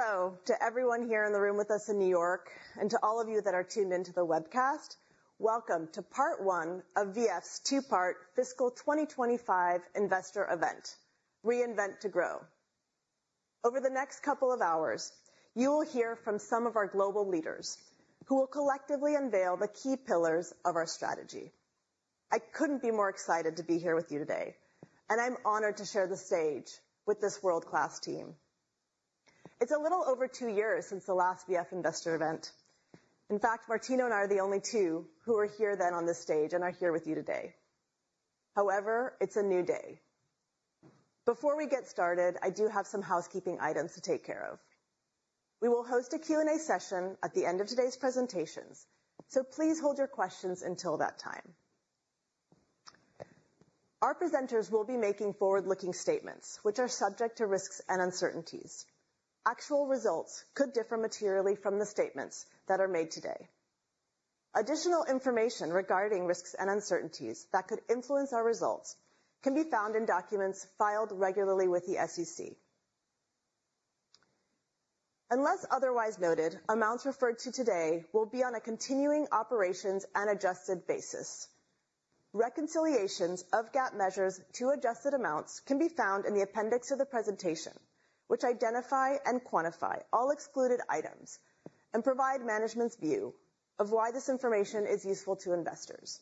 Hello to everyone here in the room with us in New York, and to all of you that are tuned into the webcast. Welcome to part one of V.F.'s two-part fiscal 2025 investor event, Reinvent to Grow. Over the next couple of hours, you will hear from some of our global leaders who will collectively unveil the key pillars of our strategy. I couldn't be more excited to be here with you today, and I'm honored to share the stage with this world-class team. It's a little over two years since the last V.F. investor event. In fact, Martino and I are the only two who were here then on this stage and are here with you today. However, it's a new day. Before we get started, I do have some housekeeping items to take care of. We will host a Q&A session at the end of today's presentations, so please hold your questions until that time. Our presenters will be making forward-looking statements, which are subject to risks and uncertainties. Actual results could differ materially from the statements that are made today. Additional information regarding risks and uncertainties that could influence our results can be found in documents filed regularly with the SEC. Unless otherwise noted, amounts referred to today will be on a continuing operations and adjusted basis. Reconciliations of GAAP measures to adjusted amounts can be found in the appendix of the presentation, which identify and quantify all excluded items and provide management's view of why this information is useful to investors.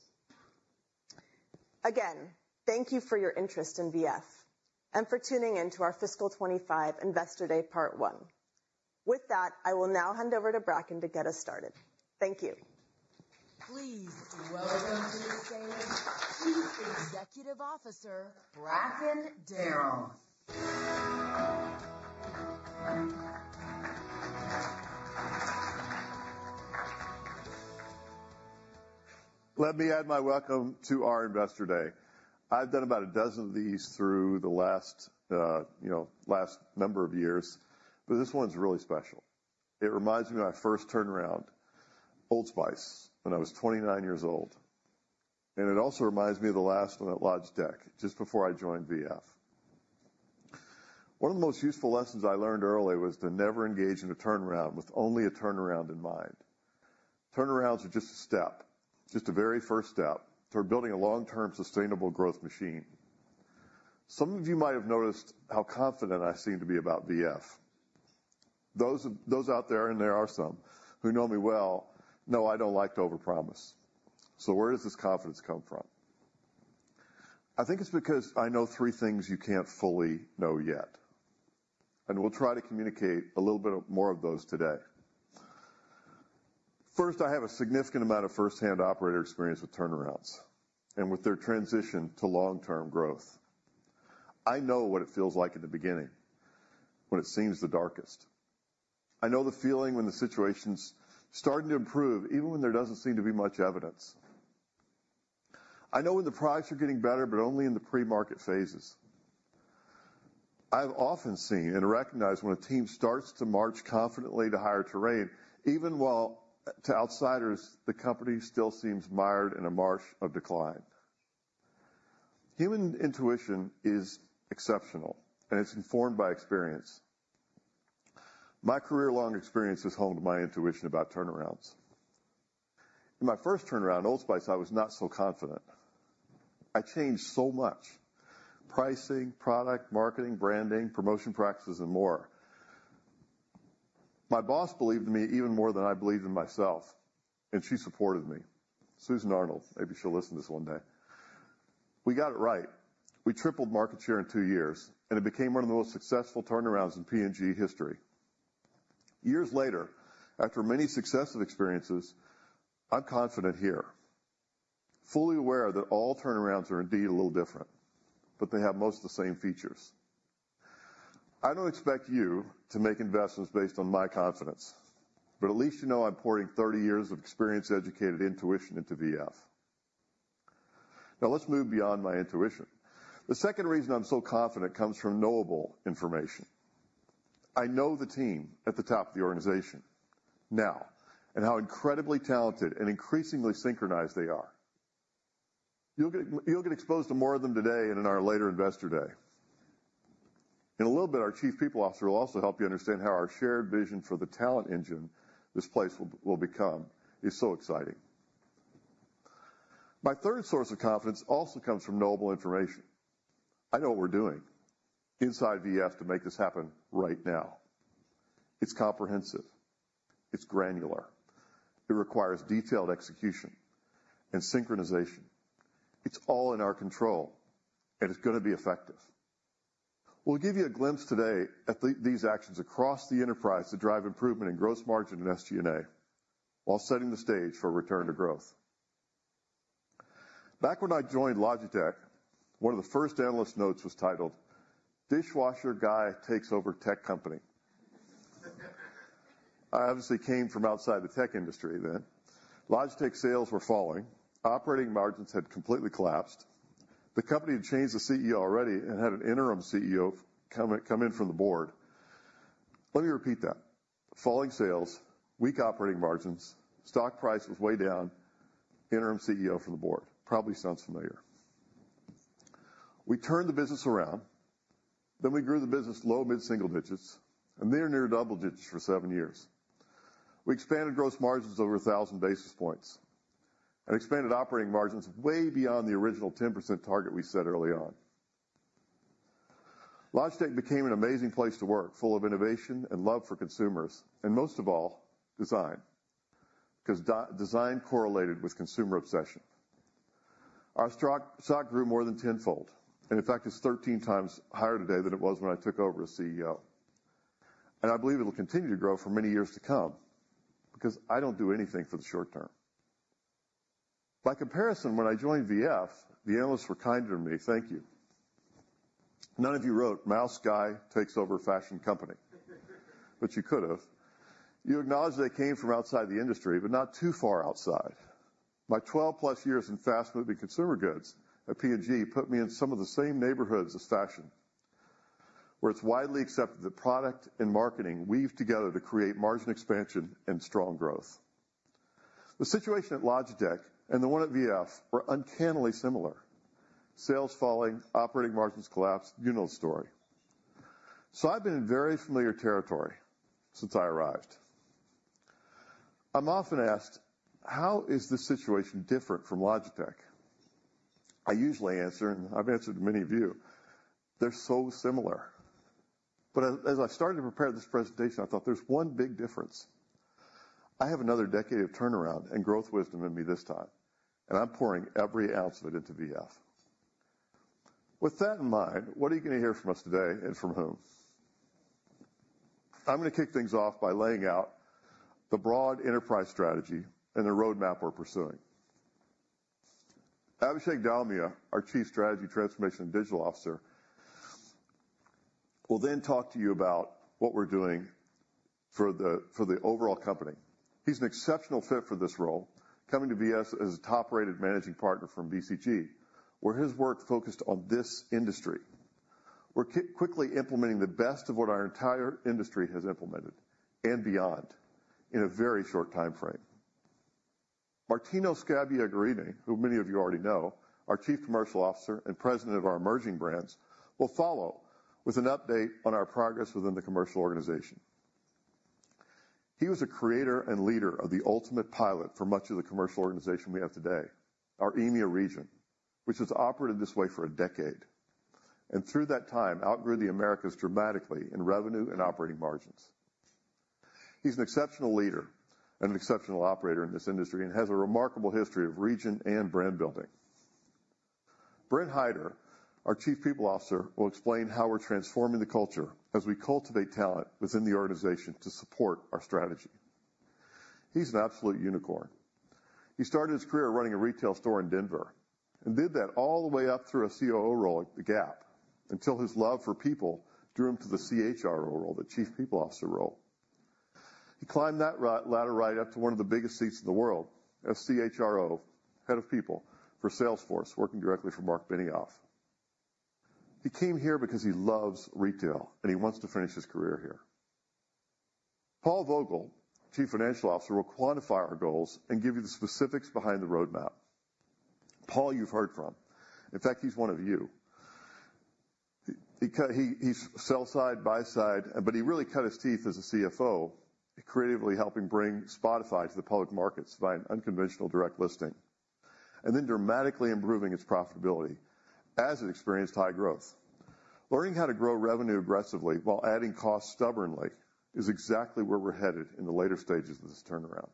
Again, thank you for your interest in V.F. and for tuning in to our Fiscal 2025 Investor Day part one. With that, I will now hand over to Bracken to get us started. Thank you. Please welcome to the stage Chief Executive Officer, Bracken Darrell. Let me add my welcome to our Investor Day. I've done about a dozen of these through the last, you know, last number of years, but this one's really special. It reminds me of my first turnaround, Old Spice, when I was 29 years old. And it also reminds me of the last one at Logitech, just before I joined V.F. One of the most useful lessons I learned early was to never engage in a turnaround with only a turnaround in mind. Turnarounds are just a step, just the very first step toward building a long-term sustainable growth machine. Some of you might have noticed how confident I seem to be about V.F. Those out there, and there are some who know me well, know I don't like to overpromise. So where does this confidence come from? I think it's because I know three things you can't fully know yet, and we'll try to communicate a little bit more of those today. First, I have a significant amount of firsthand operator experience with turnarounds and with their transition to long-term growth. I know what it feels like in the beginning, when it seems the darkest. I know the feeling when the situation's starting to improve, even when there doesn't seem to be much evidence. I know when the products are getting better, but only in the pre-market phases. I've often seen and recognized when a team starts to march confidently to higher terrain, even while to outsiders, the company still seems mired in a marsh of decline. Human intuition is exceptional, and it's informed by experience. My career-long experience has honed my intuition about turnarounds. In my first turnaround, Old Spice, I was not so confident. I changed so much: pricing, product, marketing, branding, promotion practices, and more. My boss believed in me even more than I believed in myself, and she supported me. Susan Arnold, maybe she'll listen to this one day. We got it right. We tripled market share in two years, and it became one of the most successful turnarounds in P&G history. Years later, after many successive experiences, I'm confident here, fully aware that all turnarounds are indeed a little different, but they have most of the same features. I don't expect you to make investments based on my confidence, but at least you know I'm pouring 30 years of experience-educated intuition into V.F. Now, let's move beyond my intuition. The second reason I'm so confident comes from knowable information. I know the team at the top of the organization now and how incredibly talented and increasingly synchronized they are. You'll get exposed to more of them today and in our later Investor Day. In a little bit, our Chief People Officer will also help you understand how our shared vision for the talent engine this place will become is so exciting. My third source of confidence also comes from knowable information. I know what we're doing inside V.F. to make this happen right now. It's comprehensive. It's granular. It requires detailed execution and synchronization. It's all in our control, and it's going to be effective. We'll give you a glimpse today at these actions across the enterprise to drive improvement in gross margin and SG&A while setting the stage for return to growth. Back when I joined Logitech, one of the first analyst notes was titled, "Dishwasher Guy Takes Over Tech Company." I obviously came from outside the tech industry then. Logitech sales were falling. Operating margins had completely collapsed. The company had changed the CEO already and had an interim CEO come in from the board. Let me repeat that: falling sales, weak operating margins, stock price was way down, interim CEO from the board. Probably sounds familiar. We turned the business around. Then we grew the business low-mid single digits and near double digits for seven years. We expanded gross margins over 1,000 basis points and expanded operating margins way beyond the original 10% target we set early on. Logitech became an amazing place to work, full of innovation and love for consumers, and most of all, design, because design correlated with consumer obsession. Our stock grew more than tenfold, and in fact, it's 13 times higher today than it was when I took over as CEO. And I believe it'll continue to grow for many years to come because I don't do anything for the short term. By comparison, when I joined V.F., the analysts were kinder to me. Thank you. None of you wrote, "Mouse Guy Takes Over Fashion Company," but you could have. You acknowledge they came from outside the industry, but not too far outside. My 12+ years in fast-moving consumer goods at P&G put me in some of the same neighborhoods as fashion, where it's widely accepted that product and marketing weave together to create margin expansion and strong growth. The situation at Logitech and the one at V.F. were uncannily similar: sales falling, operating margins collapsed. You know the story. So I've been in very familiar territory since I arrived. I'm often asked, "How is this situation different from Logitech?" I usually answer, and I've answered many of you, "They're so similar." But as I started to prepare this presentation, I thought, "There's one big difference." I have another decade of turnaround and growth wisdom in me this time, and I'm pouring every ounce of it into V.F. With that in mind, what are you going to hear from us today and from whom? I'm going to kick things off by laying out the broad enterprise strategy and the roadmap we're pursuing. Abhishek Dalmia, our Chief Strategy Transformation and Digital Officer, will then talk to you about what we're doing for the overall company. He's an exceptional fit for this role, coming to VF as a top-rated managing partner from BCG, where his work focused on this industry. We're quickly implementing the best of what our entire industry has implemented and beyond in a very short time frame. Martino Scabbia Guerrini, who many of you already know, our Chief Commercial Officer and President of our emerging brands, will follow with an update on our progress within the commercial organization. He was a creator and leader of the ultimate pilot for much of the commercial organization we have today, our EMEA region, which has operated this way for a decade and through that time outgrew the Americas dramatically in revenue and operating margins. He's an exceptional leader and an exceptional operator in this industry and has a remarkable history of region and brand building. Brent Hyder, our Chief People Officer, will explain how we're transforming the culture as we cultivate talent within the organization to support our strategy. He's an absolute unicorn. He started his career running a retail store in Denver and did that all the way up through a COO role, The Gap, until his love for people drew him to the CHRO role, the Chief People Officer role. He climbed that ladder right up to one of the biggest seats in the world as CHRO, Head of People for Salesforce, working directly for Marc Benioff. He came here because he loves retail, and he wants to finish his career here. Paul Vogel, Chief Financial Officer, will quantify our goals and give you the specifics behind the roadmap. Paul, you've heard from. In fact, he's one of you. He's sell-side, buy-side, but he really cut his teeth as a CFO, creatively helping bring Spotify to the public markets via an unconventional direct listing and then dramatically improving its profitability as it experienced high growth. Learning how to grow revenue aggressively while adding costs stubbornly is exactly where we're headed in the later stages of this turnaround.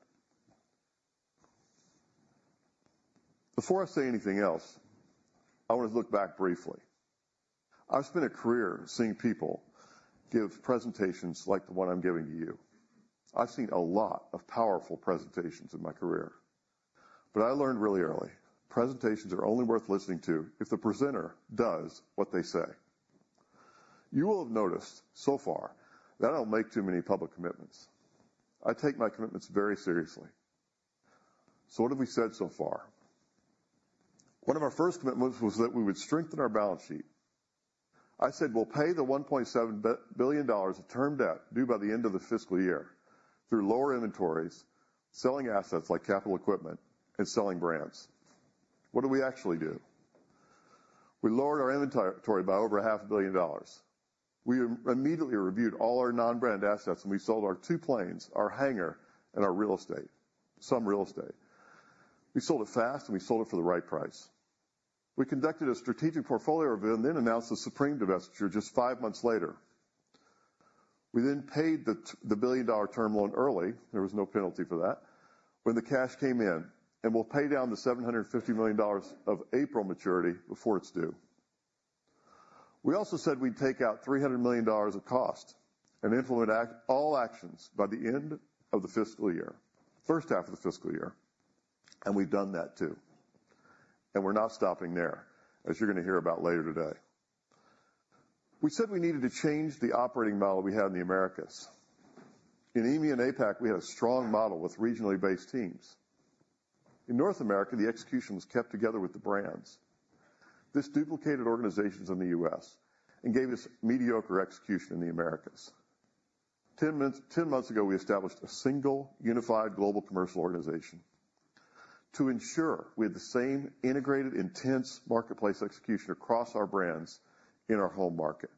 Before I say anything else, I want to look back briefly. I've spent a career seeing people give presentations like the one I'm giving to you. I've seen a lot of powerful presentations in my career, but I learned really early, presentations are only worth listening to if the presenter does what they say. You will have noticed so far that I don't make too many public commitments. I take my commitments very seriously. So what have we said so far? One of our first commitments was that we would strengthen our balance sheet. I said, "We'll pay the $1.7 billion of term debt due by the end of the fiscal year through lower inventories, selling assets like capital equipment and selling brands." What did we actually do? We lowered our inventory by over $500 million. We immediately reviewed all our non-brand assets, and we sold our two planes, our hangar, and our real estate, some real estate. We sold it fast, and we sold it for the right price. We conducted a strategic portfolio review and then announced the Supreme divestiture just five months later. We then paid the $1 billion term loan early. There was no penalty for that when the cash came in, and we'll pay down the $750 million of April maturity before it's due. We also said we'd take out $300 million of cost and implement all actions by the end of the fiscal year, first half of the fiscal year, and we've done that too. And we're not stopping there, as you're going to hear about later today. We said we needed to change the operating model we had in the Americas. In EMEA and APAC, we had a strong model with regionally based teams. In North America, the execution was kept together with the brands. This duplicated organizations in the U.S. and gave us mediocre execution in the Americas. Ten months ago, we established a single unified global commercial organization to ensure we had the same integrated, intense marketplace execution across our brands in our home market.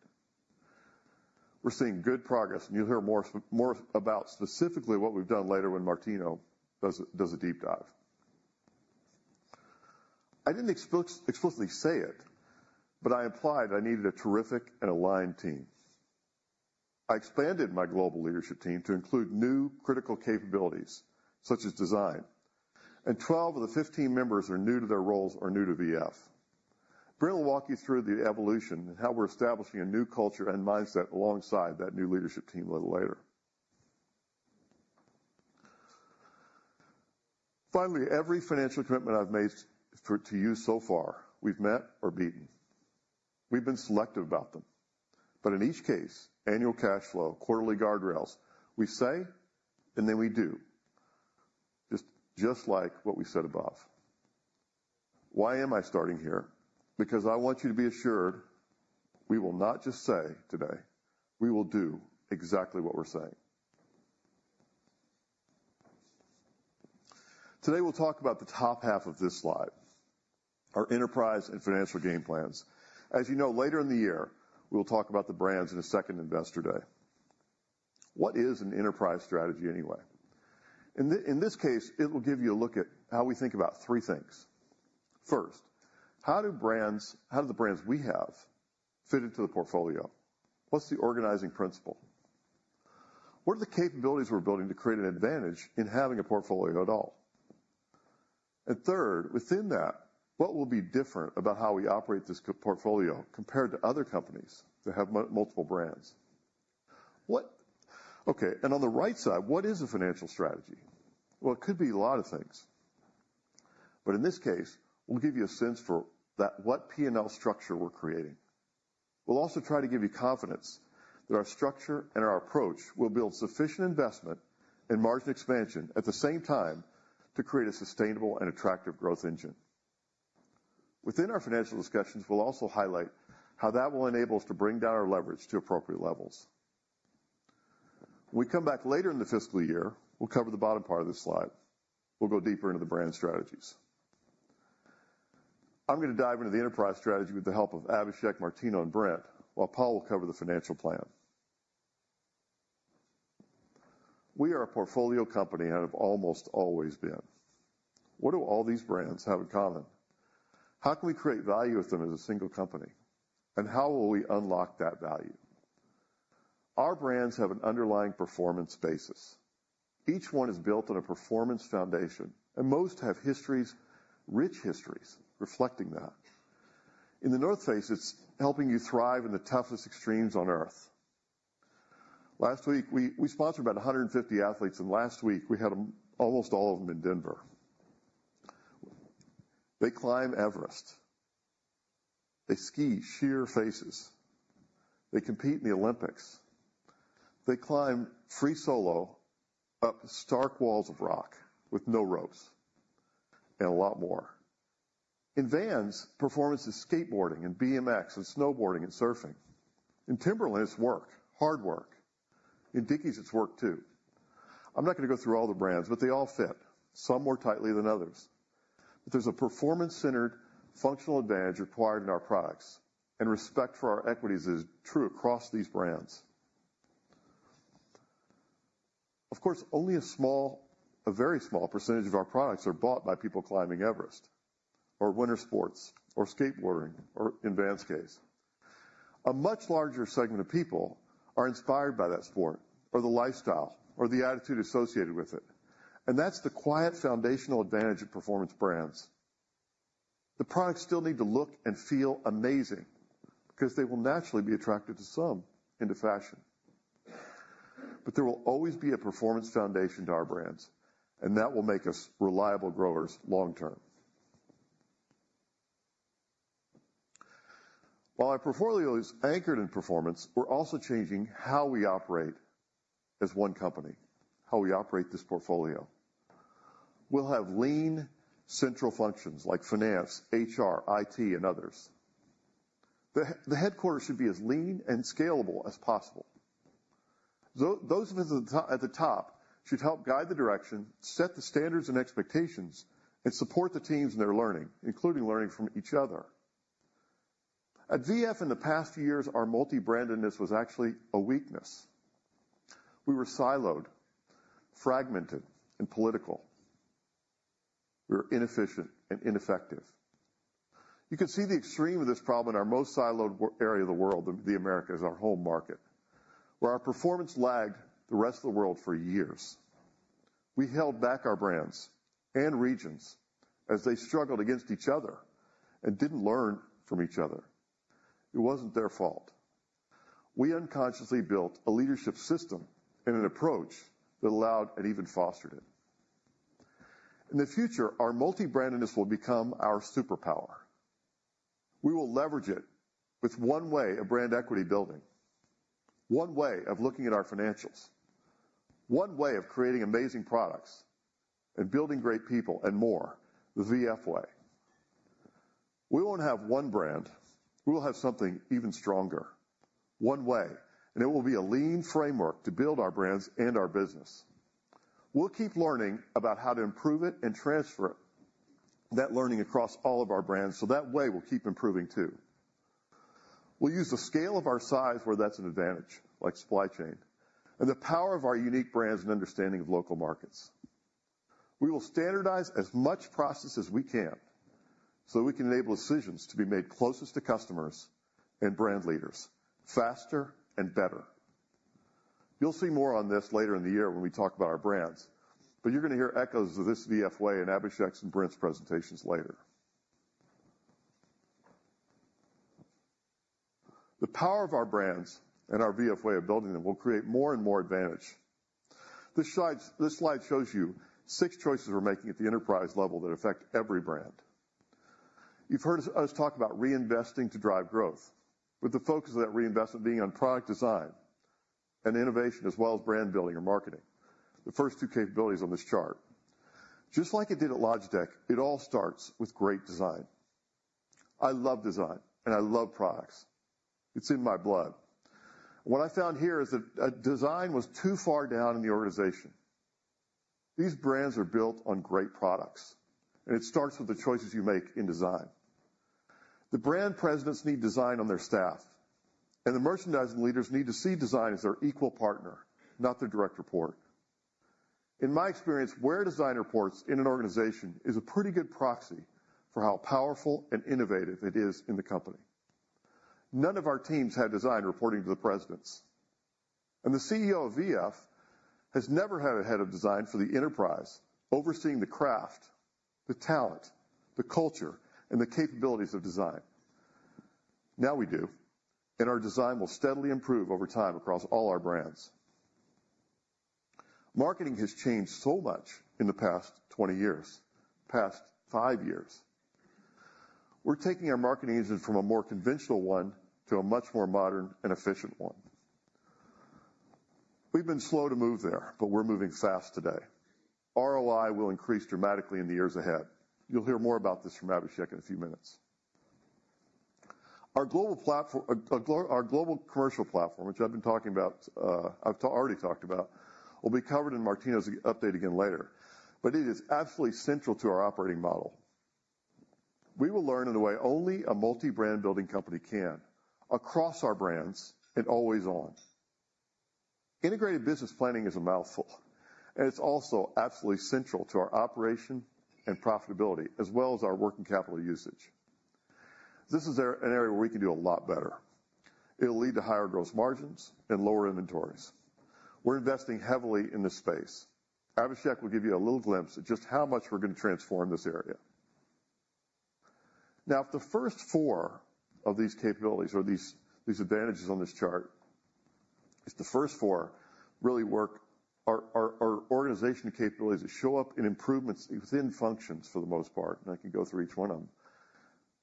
We're seeing good progress, and you'll hear more about specifically what we've done later when Martino does a deep dive. I didn't explicitly say it, but I implied I needed a terrific and aligned team. I expanded my global leadership team to include new critical capabilities such as design. 12 of the 15 members are new to their roles or new to VF. Brent will walk you through the evolution and how we're establishing a new culture and mindset alongside that new leadership team a little later. Finally, every financial commitment I've made to you so far, we've met or beaten. We've been selective about them. But in each case, annual cash flow, quarterly guardrails, we say and then we do, just like what we said above. Why am I starting here? Because I want you to be assured we will not just say today, we will do exactly what we're saying. Today, we'll talk about the top half of this slide, our enterprise and financial game plans. As you know, later in the year, we'll talk about the brands in a second Investor Day. What is an enterprise strategy anyway? In this case, it will give you a look at how we think about three things. First, how do the brands we have fit into the portfolio? What's the organizing principle? What are the capabilities we're building to create an advantage in having a portfolio at all? And third, within that, what will be different about how we operate this portfolio compared to other companies that have multiple brands? Okay. And on the right side, what is a financial strategy? Well, it could be a lot of things. But in this case, we'll give you a sense for what P&L structure we're creating. We'll also try to give you confidence that our structure and our approach will build sufficient investment and margin expansion at the same time to create a sustainable and attractive growth engine. Within our financial discussions, we'll also highlight how that will enable us to bring down our leverage to appropriate levels. When we come back later in the fiscal year, we'll cover the bottom part of this slide. We'll go deeper into the brand strategies. I'm going to dive into the enterprise strategy with the help of Abhishek, Martino, and Brent, while Paul will cover the financial plan. We are a portfolio company and have almost always been. What do all these brands have in common? How can we create value with them as a single company? And how will we unlock that value? Our brands have an underlying performance basis. Each one is built on a performance foundation, and most have rich histories reflecting that. In The North Face, it's helping you thrive in the toughest extremes on Earth. Last week, we sponsored about 150 athletes, and last week, we had almost all of them in Denver. They climb Everest. They ski sheer faces. They compete in the Olympics. They climb free solo up stark walls of rock with no ropes, and a lot more. In Vans, performance is skateboarding and BMX and snowboarding and surfing. In Timberland, it's work, hard work. In Dickies, it's work too. I'm not going to go through all the brands, but they all fit, some more tightly than others, but there's a performance-centered functional advantage required in our products, and respect for our equities is true across these brands. Of course, only a very small percentage of our products are bought by people climbing Everest or winter sports or skateboarding or in Vans' case. A much larger segment of people are inspired by that sport or the lifestyle or the attitude associated with it, and that's the quiet foundational advantage of performance brands. The products still need to look and feel amazing because they will naturally be attracted to some into fashion. But there will always be a performance foundation to our brands, and that will make us reliable growers long term. While our portfolio is anchored in performance, we're also changing how we operate as one company, how we operate this portfolio. We'll have lean central functions like finance, HR, IT, and others. The headquarters should be as lean and scalable as possible. Those at the top should help guide the direction, set the standards and expectations, and support the teams in their learning, including learning from each other. At VF, in the past few years, our multi-brandedness was actually a weakness. We were siloed, fragmented, and political. We were inefficient and ineffective. You can see the extreme of this problem in our most siloed area of the world, the Americas, our home market, where our performance lagged the rest of the world for years. We held back our brands and regions as they struggled against each other and didn't learn from each other. It wasn't their fault. We unconsciously built a leadership system and an approach that allowed and even fostered it. In the future, our multi-brandedness will become our superpower. We will leverage it with one way of brand equity building, one way of looking at our financials, one way of creating amazing products and building great people and more, the VF Way. We won't have one brand. We will have something even stronger, one way, and it will be a lean framework to build our brands and our business. We'll keep learning about how to improve it and transfer that learning across all of our brands so that way we'll keep improving too. We'll use the scale of our size where that's an advantage, like supply chain, and the power of our unique brands and understanding of local markets. We will standardize as much process as we can so we can enable decisions to be made closest to customers and brand leaders, faster and better. You'll see more on this later in the year when we talk about our brands, but you're going to hear echoes of this VF Way in Abhishek's and Brent's presentations later. The power of our brands and our VF Way of building them will create more and more advantage. This slide shows you six choices we're making at the enterprise level that affect every brand. You've heard us talk about reinvesting to drive growth, with the focus of that reinvestment being on product design and innovation as well as brand building or marketing, the first two capabilities on this chart. Just like it did at Logitech, it all starts with great design. I love design, and I love products. It's in my blood. What I found here is that design was too far down in the organization. These brands are built on great products, and it starts with the choices you make in design. The brand presidents need design on their staff, and the merchandising leaders need to see design as their equal partner, not their direct report. In my experience, where design reports in an organization is a pretty good proxy for how powerful and innovative it is in the company. None of our teams had design reporting to the presidents. And the CEO of VF has never had a head of design for the enterprise overseeing the craft, the talent, the culture, and the capabilities of design. Now we do, and our design will steadily improve over time across all our brands. Marketing has changed so much in the past 20 years, past five years. We're taking our marketing engine from a more conventional one to a much more modern and efficient one. We've been slow to move there, but we're moving fast today. ROI will increase dramatically in the years ahead. You'll hear more about this from Abhishek in a few minutes. Our global commercial platform, which I've already talked about, will be covered in Martino's update again later, but it is absolutely central to our operating model. We will learn in a way only a multi-brand building company can, across our brands and always on. Integrated business planning is a mouthful, and it's also absolutely central to our operation and profitability as well as our working capital usage. This is an area where we can do a lot better. It'll lead to higher gross margins and lower inventories. We're investing heavily in this space. Abhishek will give you a little glimpse of just how much we're going to transform this area. Now, if the first four of these capabilities or these advantages on this chart, if the first four really work, our organization capabilities that show up in improvements within functions for the most part, and I can go through each one of them.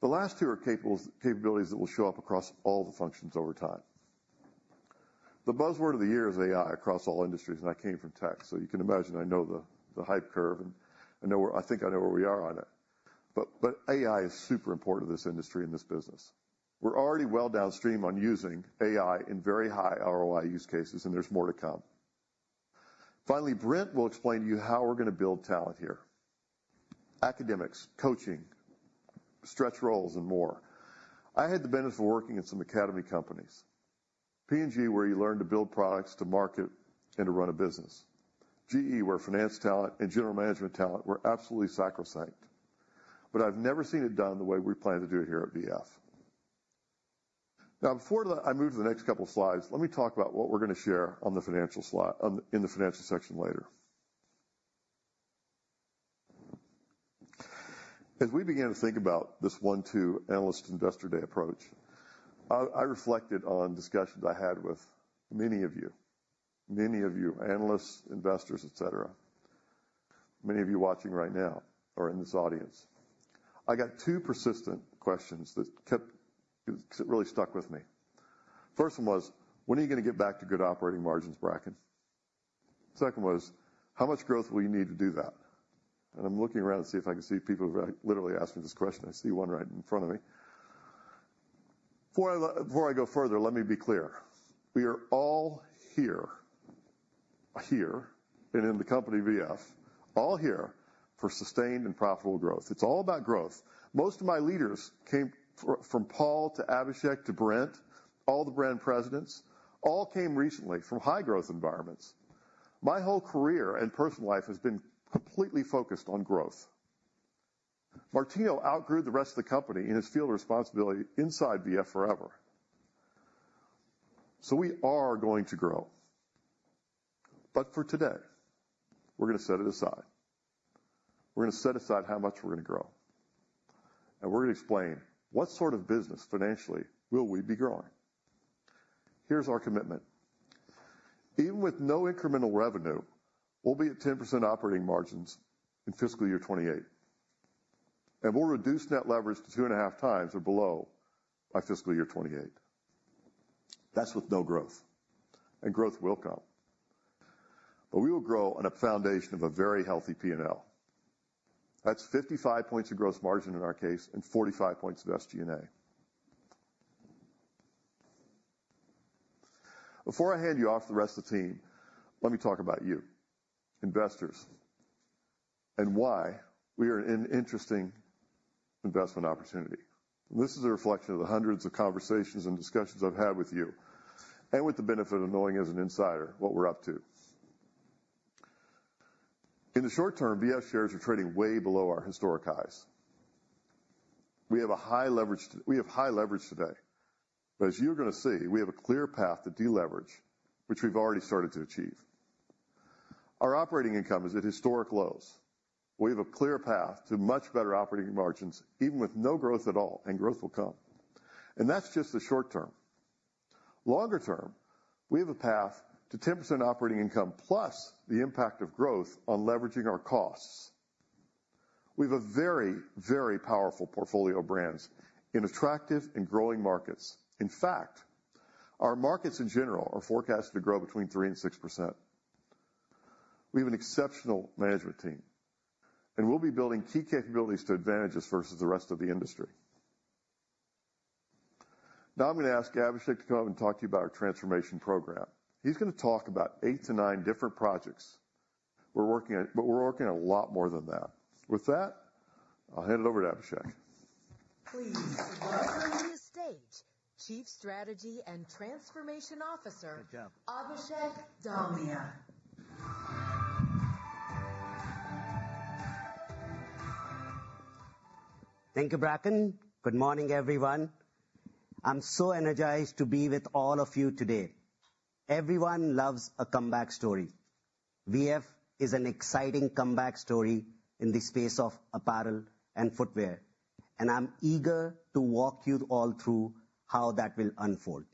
The last two are capabilities that will show up across all the functions over time. The buzzword of the year is AI across all industries, and I came from tech, so you can imagine I know the hype curve and I think I know where we are on it. But AI is super important to this industry and this business. We're already well downstream on using AI in very high ROI use cases, and there's more to come. Finally, Brent will explain to you how we're going to build talent here: academics, coaching, stretch roles, and more. I had the benefit of working at some academy companies: P&G, where you learn to build products, to market, and to run a business. GE, where finance talent and general management talent were absolutely sacrosanct. But I've never seen it done the way we plan to do it here at VF. Now, before I move to the next couple of slides, let me talk about what we're going to share in the financial section later. As we began to think about this one-two analyst investor day approach, I reflected on discussions I had with many of you, many of you analysts, investors, etc., many of you watching right now or in this audience. I got two persistent questions that really stuck with me. First one was, "When are you going to get back to good operating margins, Bracken?" Second was, "How much growth will you need to do that?" and I'm looking around to see if I can see people who have literally asked me this question. I see one right in front of me. Before I go further, let me be clear. We are all here and in the company VF, all here for sustained and profitable growth. It's all about growth. Most of my leaders came from Paul to Abhishek to Brent, all the brand presidents, all came recently from high growth environments. My whole career and personal life has been completely focused on growth. Martino outgrew the rest of the company in his field responsibility inside VF forever, so we are going to grow, but for today, we're going to set it aside. We're going to set aside how much we're going to grow, and we're going to explain what sort of business financially will we be growing. Here's our commitment. Even with no incremental revenue, we'll be at 10% operating margins in fiscal year 2028, and we'll reduce net leverage to two and a half times or below by fiscal year 2028. That's with no growth, and growth will come, but we will grow on a foundation of a very healthy P&L. That's 55 points of gross margin in our case and 45 points of SG&A. Before I hand you off to the rest of the team, let me talk about you, investors, and why we are an interesting investment opportunity, and this is a reflection of the hundreds of conversations and discussions I've had with you and with the benefit of knowing as an insider what we're up to. In the short term, VF shares are trading way below our historic highs. We have high leverage today, but as you're going to see, we have a clear path to deleverage, which we've already started to achieve. Our operating income is at historic lows. We have a clear path to much better operating margins, even with no growth at all, and growth will come, and that's just the short term. Longer term, we have a path to 10% operating income plus the impact of growth on leveraging our costs. We have a very, very powerful portfolio of brands in attractive and growing markets. In fact, our markets in general are forecast to grow between 3% and 6%. We have an exceptional management team, and we'll be building key capabilities to advantages versus the rest of the industry. Now I'm going to ask Abhishek to come up and talk to you about our transformation program. He's going to talk about eight to nine different projects, but we're working on a lot more than that. With that, I'll hand it over to Abhishek. Please welcome to the stage Chief Strategy and Transformation Officer, Abhishek Dalmia. Thank you, Bracken. Good morning, everyone. I'm so energized to be with all of you today. Everyone loves a comeback story. VF is an exciting comeback story in the space of apparel and footwear, and I'm eager to walk you all through how that will unfold.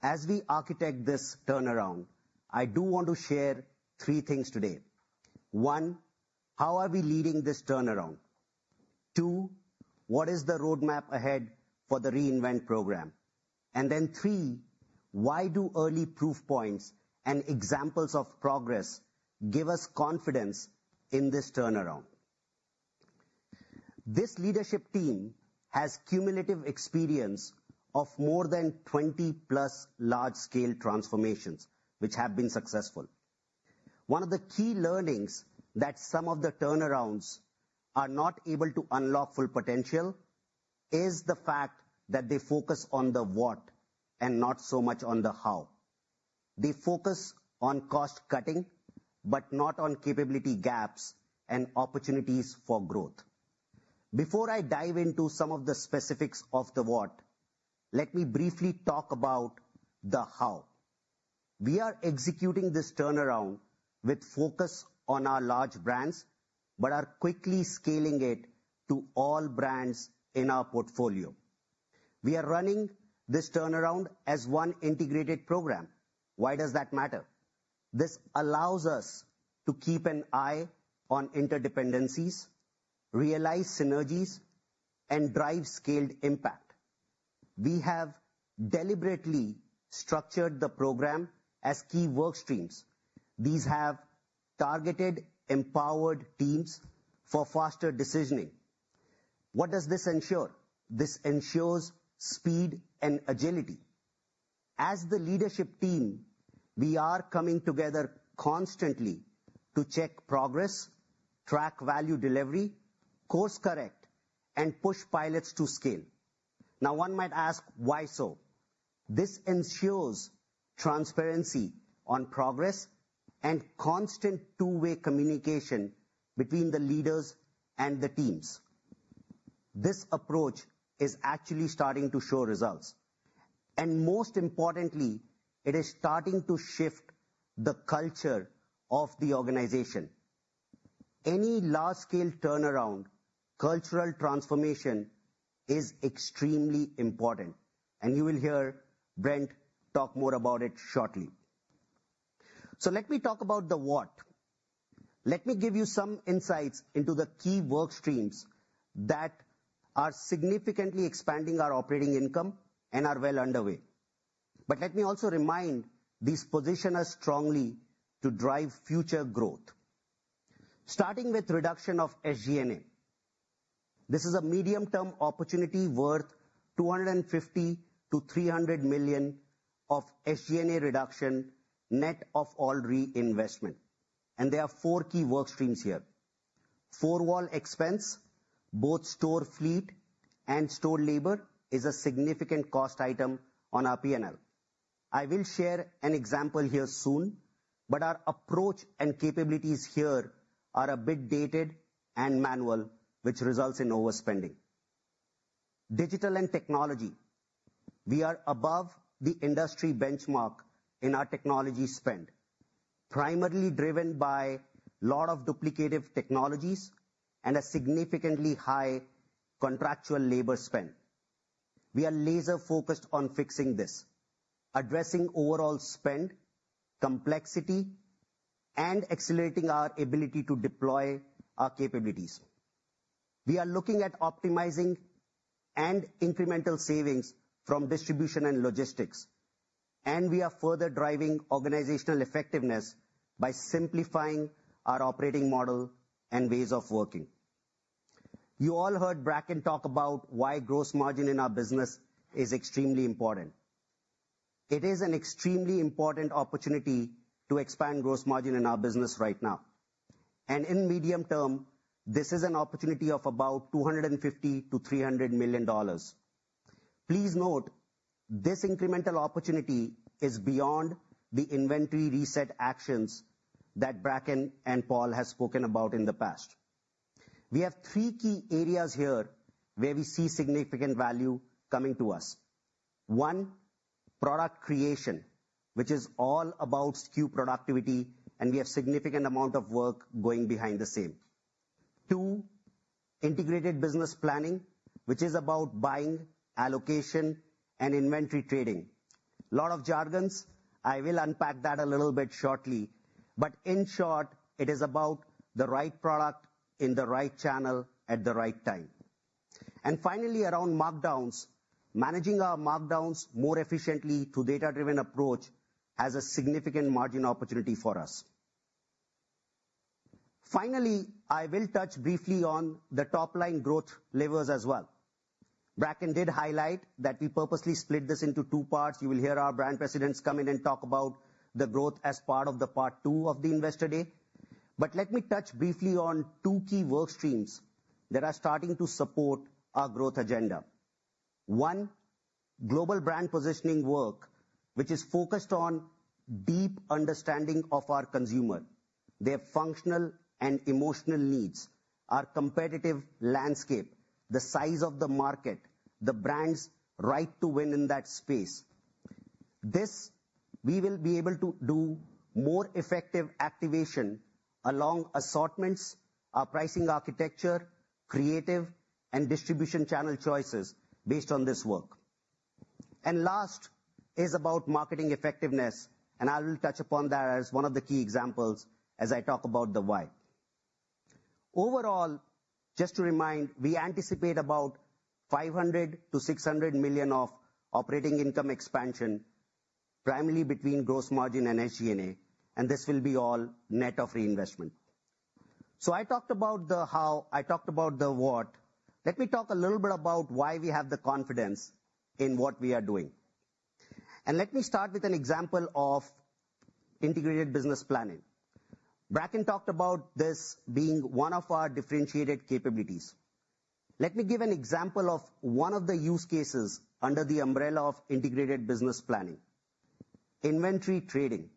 As we architect this turnaround, I do want to share three things today. One, how are we leading this turnaround? Two, what is the roadmap ahead for the reinvent program? And then three, why do early proof points and examples of progress give us confidence in this turnaround? This leadership team has cumulative experience of more than 20-plus large-scale transformations, which have been successful. One of the key learnings that some of the turnarounds are not able to unlock full potential is the fact that they focus on the what and not so much on the how. They focus on cost-cutting, but not on capability gaps and opportunities for growth. Before I dive into some of the specifics of the what, let me briefly talk about the how. We are executing this turnaround with focus on our large brands, but are quickly scaling it to all brands in our portfolio. We are running this turnaround as one integrated program. Why does that matter? This allows us to keep an eye on interdependencies, realize synergies, and drive scaled impact. We have deliberately structured the program as key work streams. These have targeted, empowered teams for faster decisioning. What does this ensure? This ensures speed and agility. As the leadership team, we are coming together constantly to check progress, track value delivery, course correct, and push pilots to scale. Now, one might ask, why so? This ensures transparency on progress and constant two-way communication between the leaders and the teams. This approach is actually starting to show results. And most importantly, it is starting to shift the culture of the organization. Any large-scale turnaround, cultural transformation is extremely important. And you will hear Brent talk more about it shortly. So let me talk about the what. Let me give you some insights into the key work streams that are significantly expanding our operating income and are well underway. But let me also remind these position us strongly to drive future growth, starting with reduction of SG&A. This is a medium-term opportunity worth $250 million-$300 million of SG&A reduction net of all reinvestment. And there are four key work streams here. Four-wall expense, both store fleet and store labor is a significant cost item on our P&L. I will share an example here soon, but our approach and capabilities here are a bit dated and manual, which results in overspending. Digital and technology, we are above the industry benchmark in our technology spend, primarily driven by a lot of duplicative technologies and a significantly high contractual labor spend. We are laser-focused on fixing this, addressing overall spend, complexity, and accelerating our ability to deploy our capabilities. We are looking at optimizing and incremental savings from distribution and logistics, and we are further driving organizational effectiveness by simplifying our operating model and ways of working. You all heard Bracken talk about why gross margin in our business is extremely important. It is an extremely important opportunity to expand gross margin in our business right now, and in medium term, this is an opportunity of about $250–$300 million. Please note, this incremental opportunity is beyond the inventory reset actions that Bracken and Paul have spoken about in the past. We have three key areas here where we see significant value coming to us. One, product creation, which is all about SKU productivity, and we have a significant amount of work going behind the scenes. Two, integrated business planning, which is about buying, allocation, and inventory trading. A lot of jargon. I will unpack that a little bit shortly. But in short, it is about the right product in the right channel at the right time, and finally, around markdowns, managing our markdowns more efficiently through a data-driven approach has a significant margin opportunity for us. Finally, I will touch briefly on the top-line growth levers as well. Bracken did highlight that we purposely split this into two parts. You will hear our brand presidents come in and talk about the growth as part of part two of the investor day. But let me touch briefly on two key work streams that are starting to support our growth agenda. One, global brand positioning work, which is focused on deep understanding of our consumer, their functional and emotional needs, our competitive landscape, the size of the market, the brand's right to win in that space. This, we will be able to do more effective activation along assortments, our pricing architecture, creative, and distribution channel choices based on this work. And last is about marketing effectiveness, and I will touch upon that as one of the key examples as I talk about the why. Overall, just to remind, we anticipate about $500 million-$600 million of operating income expansion, primarily between gross margin and SG&A, and this will be all net of reinvestment. So I talked about the how, I talked about the what. Let me talk a little bit about why we have the confidence in what we are doing. Let me start with an example of integrated business planning. Bracken talked about this being one of our differentiated capabilities. Let me give an example of one of the use cases under the umbrella of integrated business planning: inventory trading.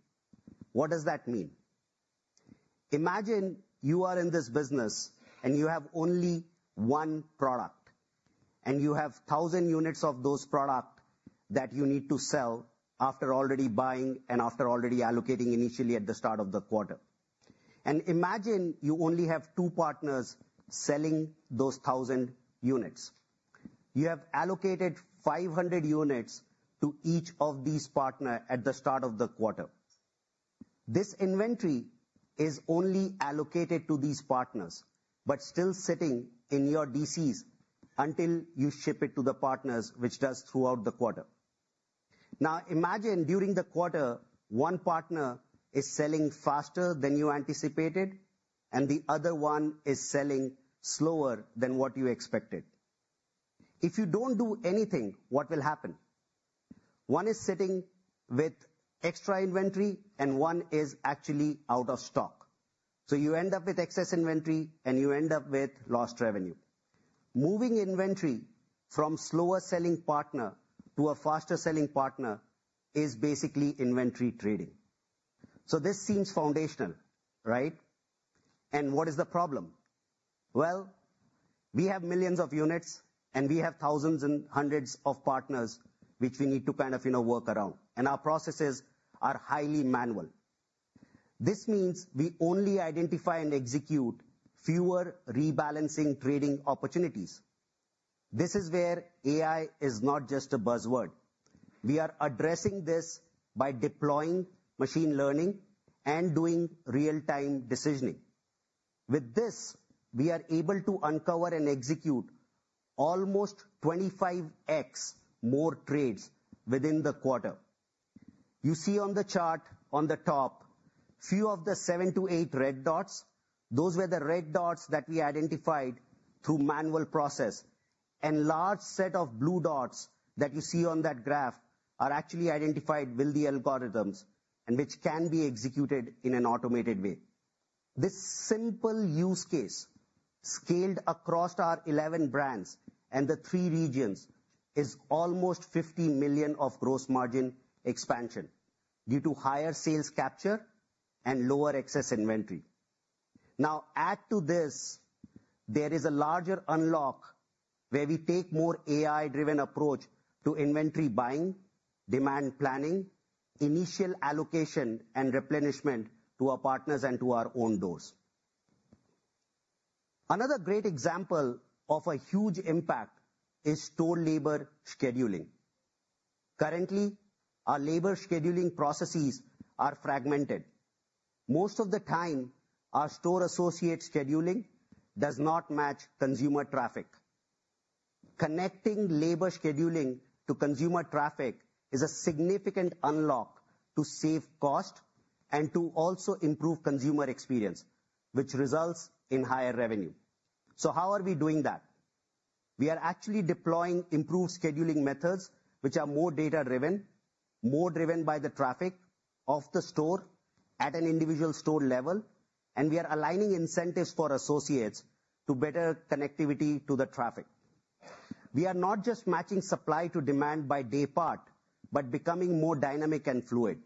What does that mean? Imagine you are in this business and you have only one product, and you have 1,000 units of those products that you need to sell after already buying and after already allocating initially at the start of the quarter. Imagine you only have two partners selling those 1,000 units. You have allocated 500 units to each of these partners at the start of the quarter. This inventory is only allocated to these partners, but still sitting in your DCs until you ship it to the partners, which does throughout the quarter. Now, imagine during the quarter, one partner is selling faster than you anticipated, and the other one is selling slower than what you expected. If you don't do anything, what will happen? One is sitting with extra inventory, and one is actually out of stock. You end up with excess inventory, and you end up with lost revenue. Moving inventory from a slower-selling partner to a faster-selling partner is basically inventory trading. This seems foundational, right? What is the problem? We have millions of units, and we have thousands and hundreds of partners, which we need to kind of work around. And our processes are highly manual. This means we only identify and execute fewer rebalancing trading opportunities. This is where AI is not just a buzzword. We are addressing this by deploying machine learning and doing real-time decisioning. With this, we are able to uncover and execute almost 25x more trades within the quarter. You see on the chart on the top, few of the seven-to-eight red dots, those were the red dots that we identified through manual process, and a large set of blue dots that you see on that graph are actually identified with the algorithms and which can be executed in an automated way. This simple use case scaled across our 11 brands and the three regions is almost $50 million of gross margin expansion due to higher sales capture and lower excess inventory. Now, add to this, there is a larger unlock where we take a more AI-driven approach to inventory buying, demand planning, initial allocation, and replenishment to our partners and to our own doors. Another great example of a huge impact is store labor scheduling. Currently, our labor scheduling processes are fragmented. Most of the time, our store associate scheduling does not match consumer traffic. Connecting labor scheduling to consumer traffic is a significant unlock to save cost and to also improve consumer experience, which results in higher revenue. So how are we doing that? We are actually deploying improved scheduling methods, which are more data-driven, more driven by the traffic of the store at an individual store level, and we are aligning incentives for associates to better connectivity to the traffic. We are not just matching supply to demand by daypart, but becoming more dynamic and fluid,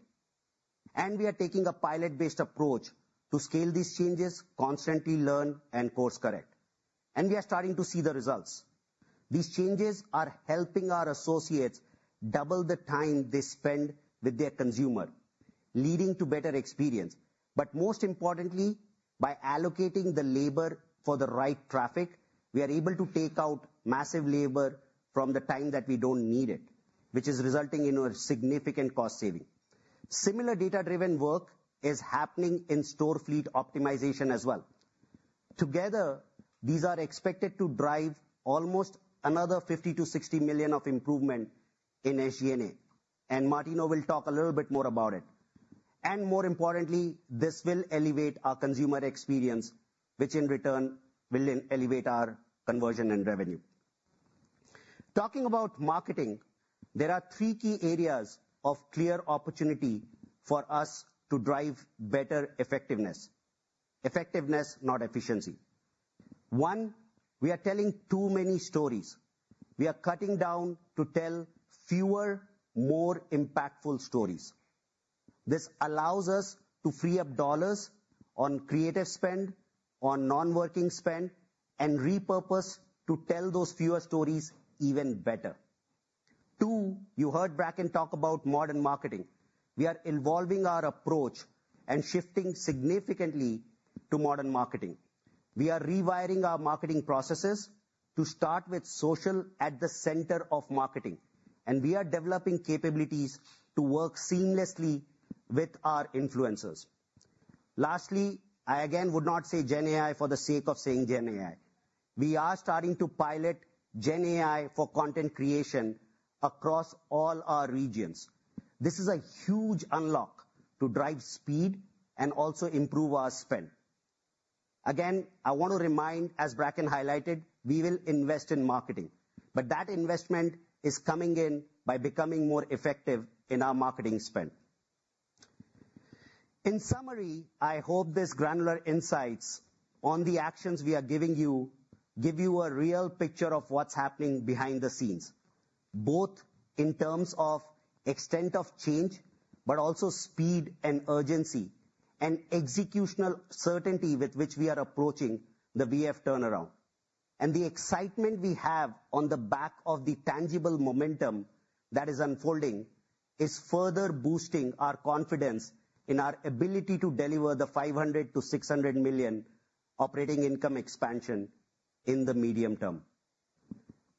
and we are taking a pilot-based approach to scale these changes, constantly learn, and course correct. We are starting to see the results. These changes are helping our associates double the time they spend with their consumer, leading to better experience, but most importantly, by allocating the labor for the right traffic, we are able to take out massive labor from the time that we don't need it, which is resulting in a significant cost saving. Similar data-driven work is happening in store fleet optimization as well. Together, these are expected to drive almost another $50-$60 million of improvement in SG&A. And Martino will talk a little bit more about it. And more importantly, this will elevate our consumer experience, which in return will elevate our conversion and revenue. Talking about marketing, there are three key areas of clear opportunity for us to drive better effectiveness. Effectiveness, not efficiency. One, we are telling too many stories. We are cutting down to tell fewer, more impactful stories. This allows us to free up dollars on creative spend, on non-working spend, and repurpose to tell those fewer stories even better. Two, you heard Bracken talk about modern marketing. We are evolving our approach and shifting significantly to modern marketing. We are rewiring our marketing processes to start with social at the center of marketing. And we are developing capabilities to work seamlessly with our influencers. Lastly, I again would not say GenAI for the sake of saying GenAI. We are starting to pilot GenAI for content creation across all our regions. This is a huge unlock to drive speed and also improve our spend. Again, I want to remind, as Bracken highlighted, we will invest in marketing. But that investment is coming in by becoming more effective in our marketing spend. In summary, I hope these granular insights on the actions we are giving you give you a real picture of what's happening behind the scenes, both in terms of extent of change, but also speed and urgency, and executional certainty with which we are approaching the VF turnaround. And the excitement we have on the back of the tangible momentum that is unfolding is further boosting our confidence in our ability to deliver the $500 million-$600 million operating income expansion in the medium term.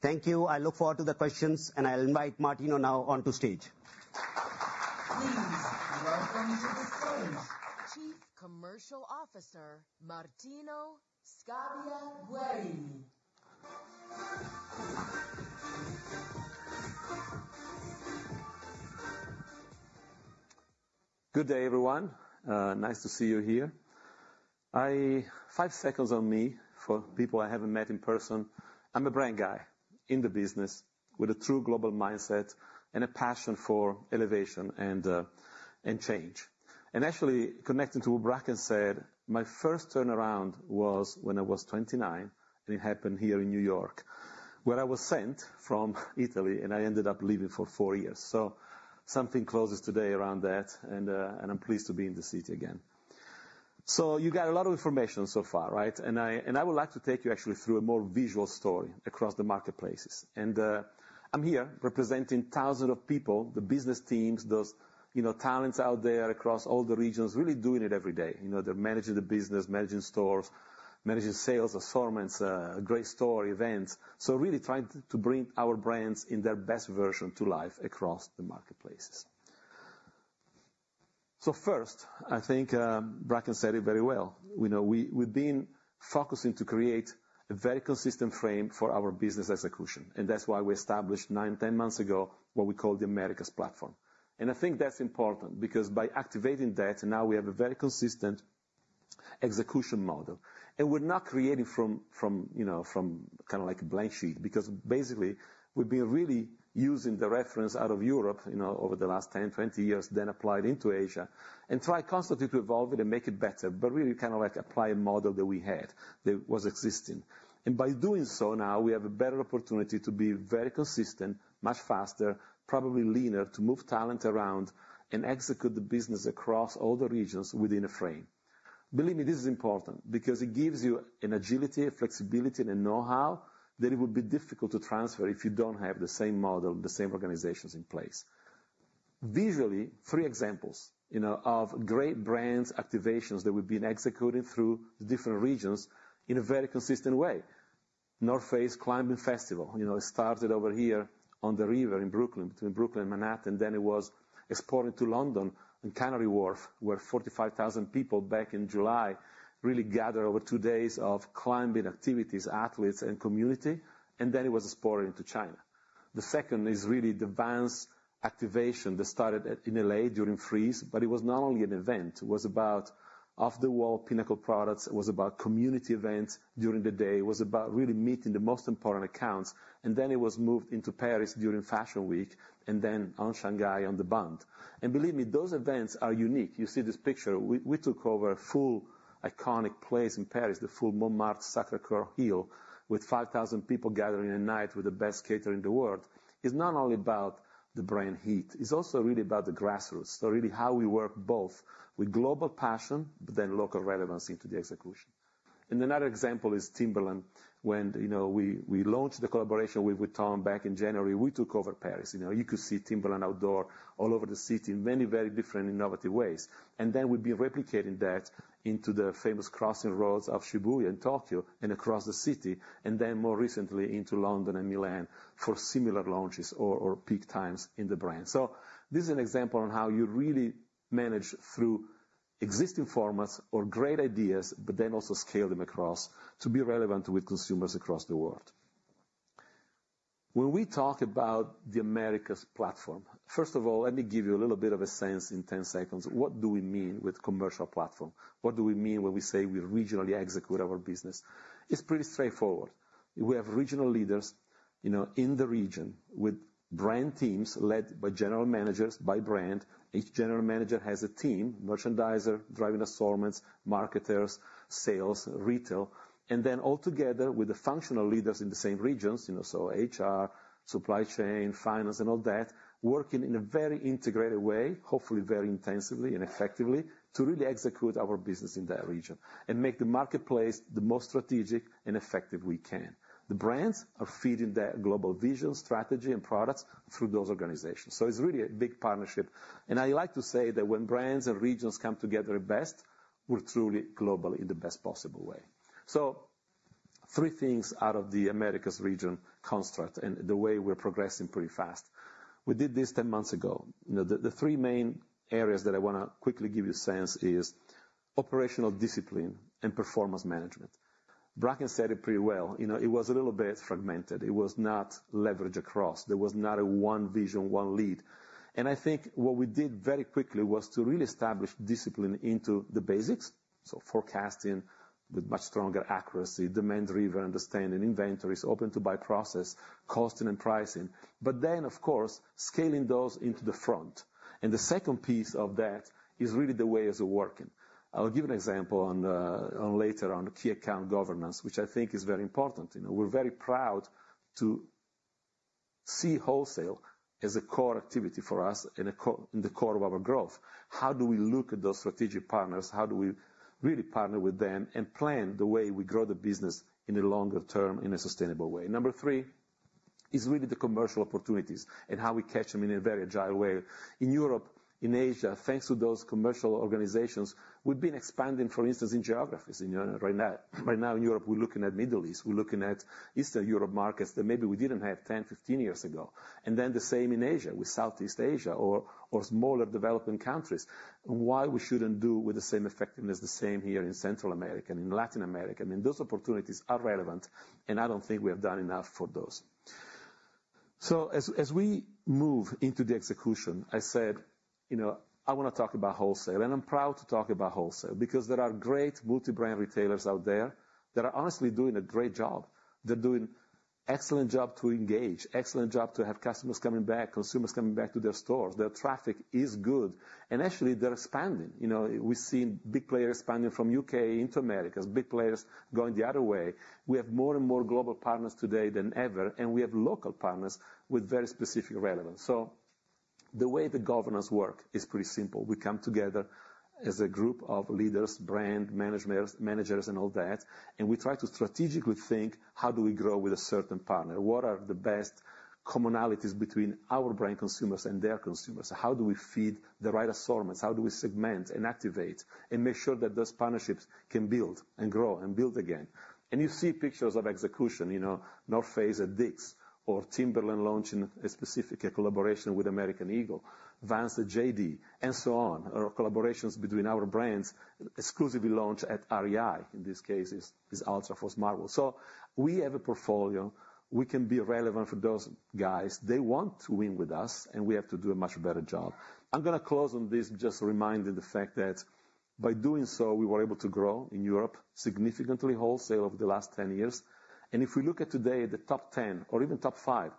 Thank you. I look forward to the questions, and I'll invite Martino now onto stage. Please welcome to the stage Chief Commercial Officer Martino Scabbia Guerrini. Good day, everyone. Nice to see you here. Five seconds on me for people I haven't met in person. I'm a brand guy in the business with a true global mindset and a passion for elevation and change. And actually, connecting to what Bracken said, my first turnaround was when I was 29, and it happened here in New York, where I was sent from Italy, and I ended up living for four years. So something closes today around that, and I'm pleased to be in the city again. So you got a lot of information so far, right? And I would like to take you actually through a more visual story across the marketplaces. And I'm here representing thousands of people, the business teams, those talents out there across all the regions, really doing it every day. They're managing the business, managing stores, managing sales, assortments, great store events. So really trying to bring our brands in their best version to life across the marketplaces. So first, I think Bracken said it very well. We've been focusing to create a very consistent frame for our business execution. And that's why we established nine, ten months ago what we call the Americas platform. And I think that's important because by activating that, now we have a very consistent execution model. And we're not creating from kind of like a blank sheet because basically, we've been really using the reference out of Europe over the last 10, 20 years, then applied into Asia and try constantly to evolve it and make it better, but really kind of like apply a model that we had that was existing. And by doing so now, we have a better opportunity to be very consistent, much faster, probably leaner to move talent around and execute the business across all the regions within a frame. Believe me, this is important because it gives you an agility, flexibility, and a know-how that it will be difficult to transfer if you don't have the same model, the same organizations in place. Visually, three examples of great brand activations that we've been executing through different regions in a very consistent way. North Face Climbing Festival, it started over here on the river in Brooklyn, between Brooklyn and Manhattan. Then it was exported to London and Canary Wharf, where 45,000 people back in July really gathered over two days of climbing activities, athletes, and community. It was exported into China. The second is really the Vans activation that started in LA during Frieze, but it was not only an event. It was about off-the-wall pinnacle products. It was about community events during the day. It was about really meeting the most important accounts. It was moved into Paris during Fashion Week and then in Shanghai on The Bund. Believe me, those events are unique. You see this picture. We took over a full iconic place in Paris, the full Montmartre Sacré-Cœur Hill with 5,000 people gathering at night with the best catering in the world. It's not only about the brand heat. It's also really about the grassroots, so really how we work both with global passion, but then local relevance into the execution, and another example is Timberland. When we launched the collaboration with Vuitton back in January, we took over Paris. You could see Timberland outdoor all over the city in many very different innovative ways, and then we've been replicating that into the famous crossing roads of Shibuya and Tokyo and across the city, and then more recently into London and Milan for similar launches or peak times in the brand, so this is an example on how you really manage through existing formats or great ideas, but then also scale them across to be relevant with consumers across the world. When we talk about the Americas platform, first of all, let me give you a little bit of a sense in 10 seconds. What do we mean with commercial platform? What do we mean when we say we regionally execute our business? It's pretty straightforward. We have regional leaders in the region with brand teams led by general managers by brand. Each general manager has a team, merchandiser, driving assortments, marketers, sales, retail, and then all together with the functional leaders in the same regions, so HR, supply chain, finance, and all that, working in a very integrated way, hopefully very intensively and effectively to really execute our business in that region and make the marketplace the most strategic and effective we can. The brands are feeding that global vision, strategy, and products through those organizations. So it's really a big partnership. I like to say that when brands and regions come together best, we're truly globally in the best possible way. Three things out of the Americas region construct and the way we're progressing pretty fast. We did this 10 months ago. The three main areas that I want to quickly give you a sense are operational discipline and performance management. Bracken said it pretty well. It was a little bit fragmented. It was not leveraged across. There was not a one vision, one lead. I think what we did very quickly was to really establish discipline into the basics, so forecasting with much stronger accuracy, demand driver understanding, inventories, open-to-buy process, costing and pricing, but then, of course, scaling those into the front. The second piece of that is really the way as we're working. I'll give an example later on key account governance, which I think is very important. We're very proud to see wholesale as a core activity for us in the core of our growth. How do we look at those strategic partners? How do we really partner with them and plan the way we grow the business in a longer term, in a sustainable way? Number three is really the commercial opportunities and how we catch them in a very agile way. In Europe, in Asia, thanks to those commercial organizations, we've been expanding, for instance, in geographies. Right now in Europe, we're looking at Middle East. We're looking at Eastern Europe markets that maybe we didn't have 10, 15 years ago, and then the same in Asia with Southeast Asia or smaller developing countries. And why we shouldn't do with the same effectiveness the same here in Central America, in Latin America. I mean, those opportunities are relevant, and I don't think we have done enough for those. So as we move into the execution, I said, "I want to talk about wholesale." And I'm proud to talk about wholesale because there are great multi-brand retailers out there that are honestly doing a great job. They're doing an excellent job to engage, excellent job to have customers coming back, consumers coming back to their stores. Their traffic is good. And actually, they're expanding. We've seen big players expanding from the U.K. into America, big players going the other way. We have more and more global partners today than ever, and we have local partners with very specific relevance. So the way the governance works is pretty simple. We come together as a group of leaders, brand managers, and all that, and we try to strategically think, "How do we grow with a certain partner? What are the best commonalities between our brand consumers and their consumers? How do we feed the right assortments? How do we segment and activate and make sure that those partnerships can build and grow and build again?" And you see pictures of execution. The North Face at Dick's or Timberland launching a specific collaboration with American Eagle, Vans at JD, and so on, or collaborations between our brands exclusively launched at REI. In this case, it's Altra for Smartwool. So we have a portfolio. We can be relevant for those guys. They want to win with us, and we have to do a much better job. I'm going to close on this, just reminding the fact that by doing so, we were able to grow in Europe significantly wholesale over the last 10 years. If we look at today, the top 10 or even top 5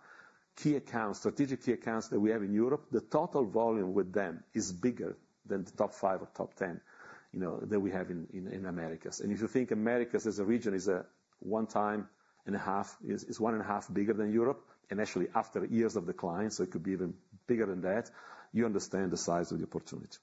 key accounts, strategic key accounts that we have in Europe, the total volume with them is bigger than the top 5 or top 10 that we have in Americas. If you think Americas as a region is a one time and a half, it's one and a half bigger than Europe. Actually, after years of decline, so it could be even bigger than that, you understand the size of the opportunity.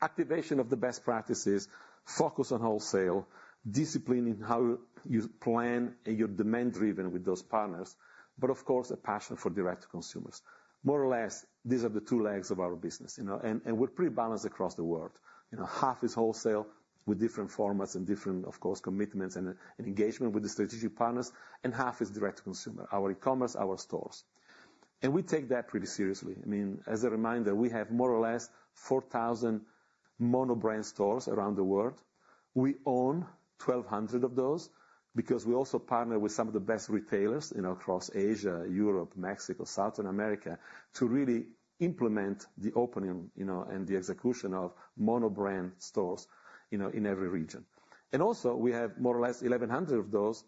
Activation of the best practices, focus on wholesale, discipline in how you plan and you're demand-driven with those partners, but of course, a passion for direct consumers. More or less, these are the two legs of our business. And we're pretty balanced across the world. Half is wholesale with different formats and different, of course, commitments and engagement with the strategic partners, and half is direct to consumer, our e-commerce, our stores. And we take that pretty seriously. I mean, as a reminder, we have more or less 4,000 monobrand stores around the world. We own 1,200 of those because we also partner with some of the best retailers across Asia, Europe, Mexico, South America, to really implement the opening and the execution of monobrand stores in every region. And also, we have more or less 1,100 of those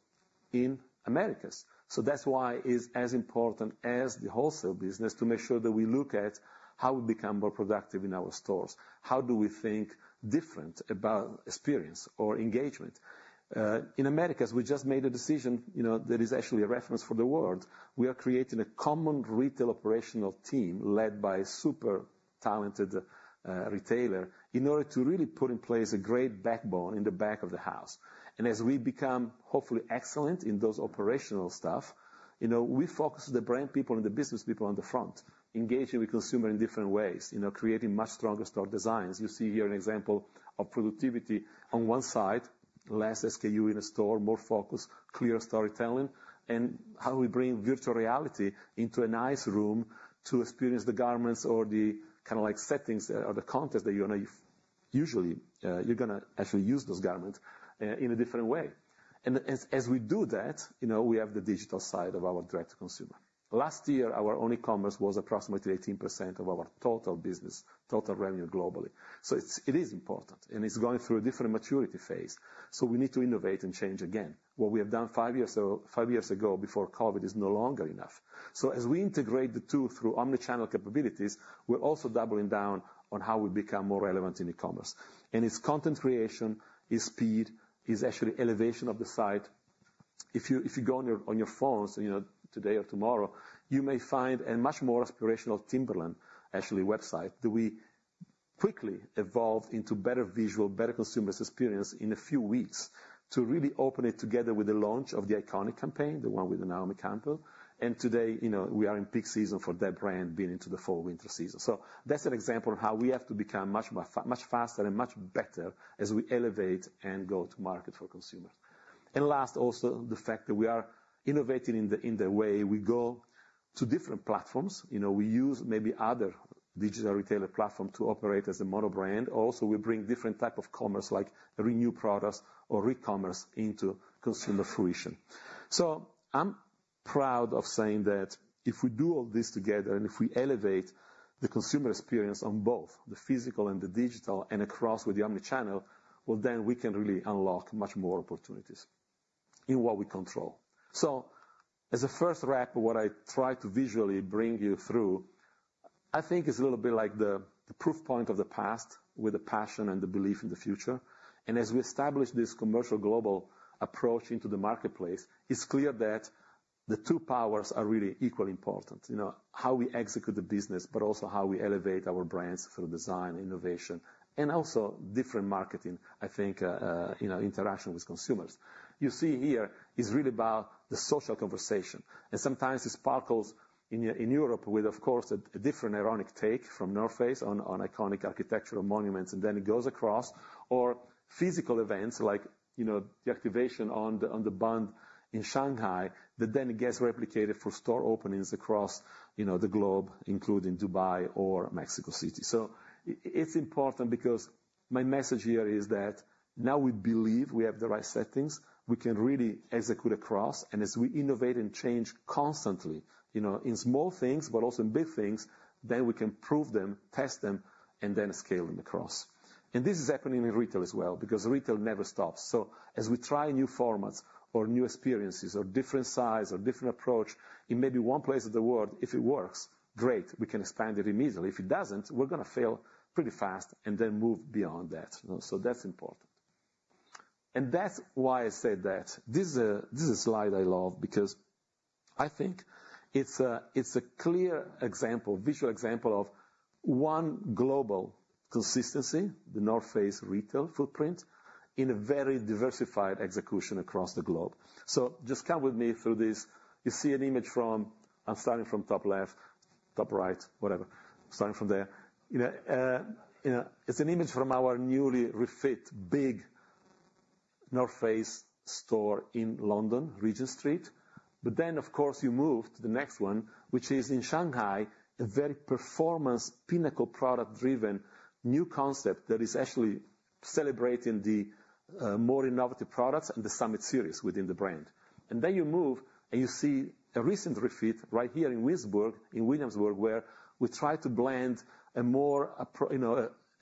in Americas. So that's why it's as important as the wholesale business to make sure that we look at how we become more productive in our stores. How do we think different about experience or engagement? In the Americas, we just made a decision that is actually a reference for the world. We are creating a common retail operational team led by a super talented retailer in order to really put in place a great backbone in the back of the house, and as we become hopefully excellent in those operational stuff, we focus on the brand people and the business people on the front, engaging with consumers in different ways, creating much stronger store designs. You see here an example of productivity on one side, less SKU in a store, more focus, clear storytelling, and how we bring virtual reality into a nice room to experience the garments or the kind of settings or the context that you're usually going to actually use those garments in a different way, and as we do that, we have the digital side of our direct to consumer. Last year, our only commerce was approximately 18% of our total business, total revenue globally. So it is important, and it's going through a different maturity phase. So we need to innovate and change again. What we have done five years ago before COVID is no longer enough. So as we integrate the two through omnichannel capabilities, we're also doubling down on how we become more relevant in e-commerce. And it's content creation, it's speed, it's actually elevation of the site. If you go on your phones today or tomorrow, you may find a much more aspirational Timberland actually website that we quickly evolved into better visual, better consumer experience in a few weeks to really open it together with the launch of the iconic campaign, the one with Naomi Campbell. And today, we are in peak season for that brand being into the fall winter season. So that's an example of how we have to become much faster and much better as we elevate and go to market for consumers. And last, also the fact that we are innovating in the way we go to different platforms. We use maybe other digital retailer platforms to operate as a monobrand. Also, we bring different types of commerce like renew products or re-commerce into consumer fruition. So I'm proud of saying that if we do all this together and if we elevate the consumer experience on both the physical and the digital and across with the omnichannel, well, then we can really unlock much more opportunities in what we control. So as a first wrap, what I try to visually bring you through, I think it's a little bit like the proof point of the past with the passion and the belief in the future. As we establish this commercial global approach into the marketplace, it's clear that the two powers are really equally important, how we execute the business, but also how we elevate our brands through design, innovation, and also different marketing, I think, interaction with consumers. You see here is really about the social conversation. Sometimes it sparkles in Europe with, of course, a different ironic take from The North Face on iconic architecture and monuments, and then it goes across or physical events like the activation on The Bund in Shanghai that then gets replicated for store openings across the globe, including Dubai or Mexico City. It's important because my message here is that now we believe we have the right settings. We can really execute across. As we innovate and change constantly in small things, but also in big things, then we can prove them, test them, and then scale them across. And this is happening in retail as well because retail never stops. So as we try new formats or new experiences or different size or different approach in maybe one place of the world, if it works, great, we can expand it immediately. If it doesn't, we're going to fail pretty fast and then move beyond that. So that's important. And that's why I said that. This is a slide I love because I think it's a clear example, visual example of one global consistency, The North Face retail footprint in a very diversified execution across the globe. So just come with me through this. You see an image from. I'm starting from top left, top right, whatever. Starting from there. It's an image from our newly refit big The North Face store in London, Regent Street. But then, of course, you move to the next one, which is in Shanghai, a very performance pinnacle product-driven new concept that is actually celebrating the more innovative products and the Summit Series within the brand. And then you move and you see a recent refit right here in Williamsburg where we try to blend a more,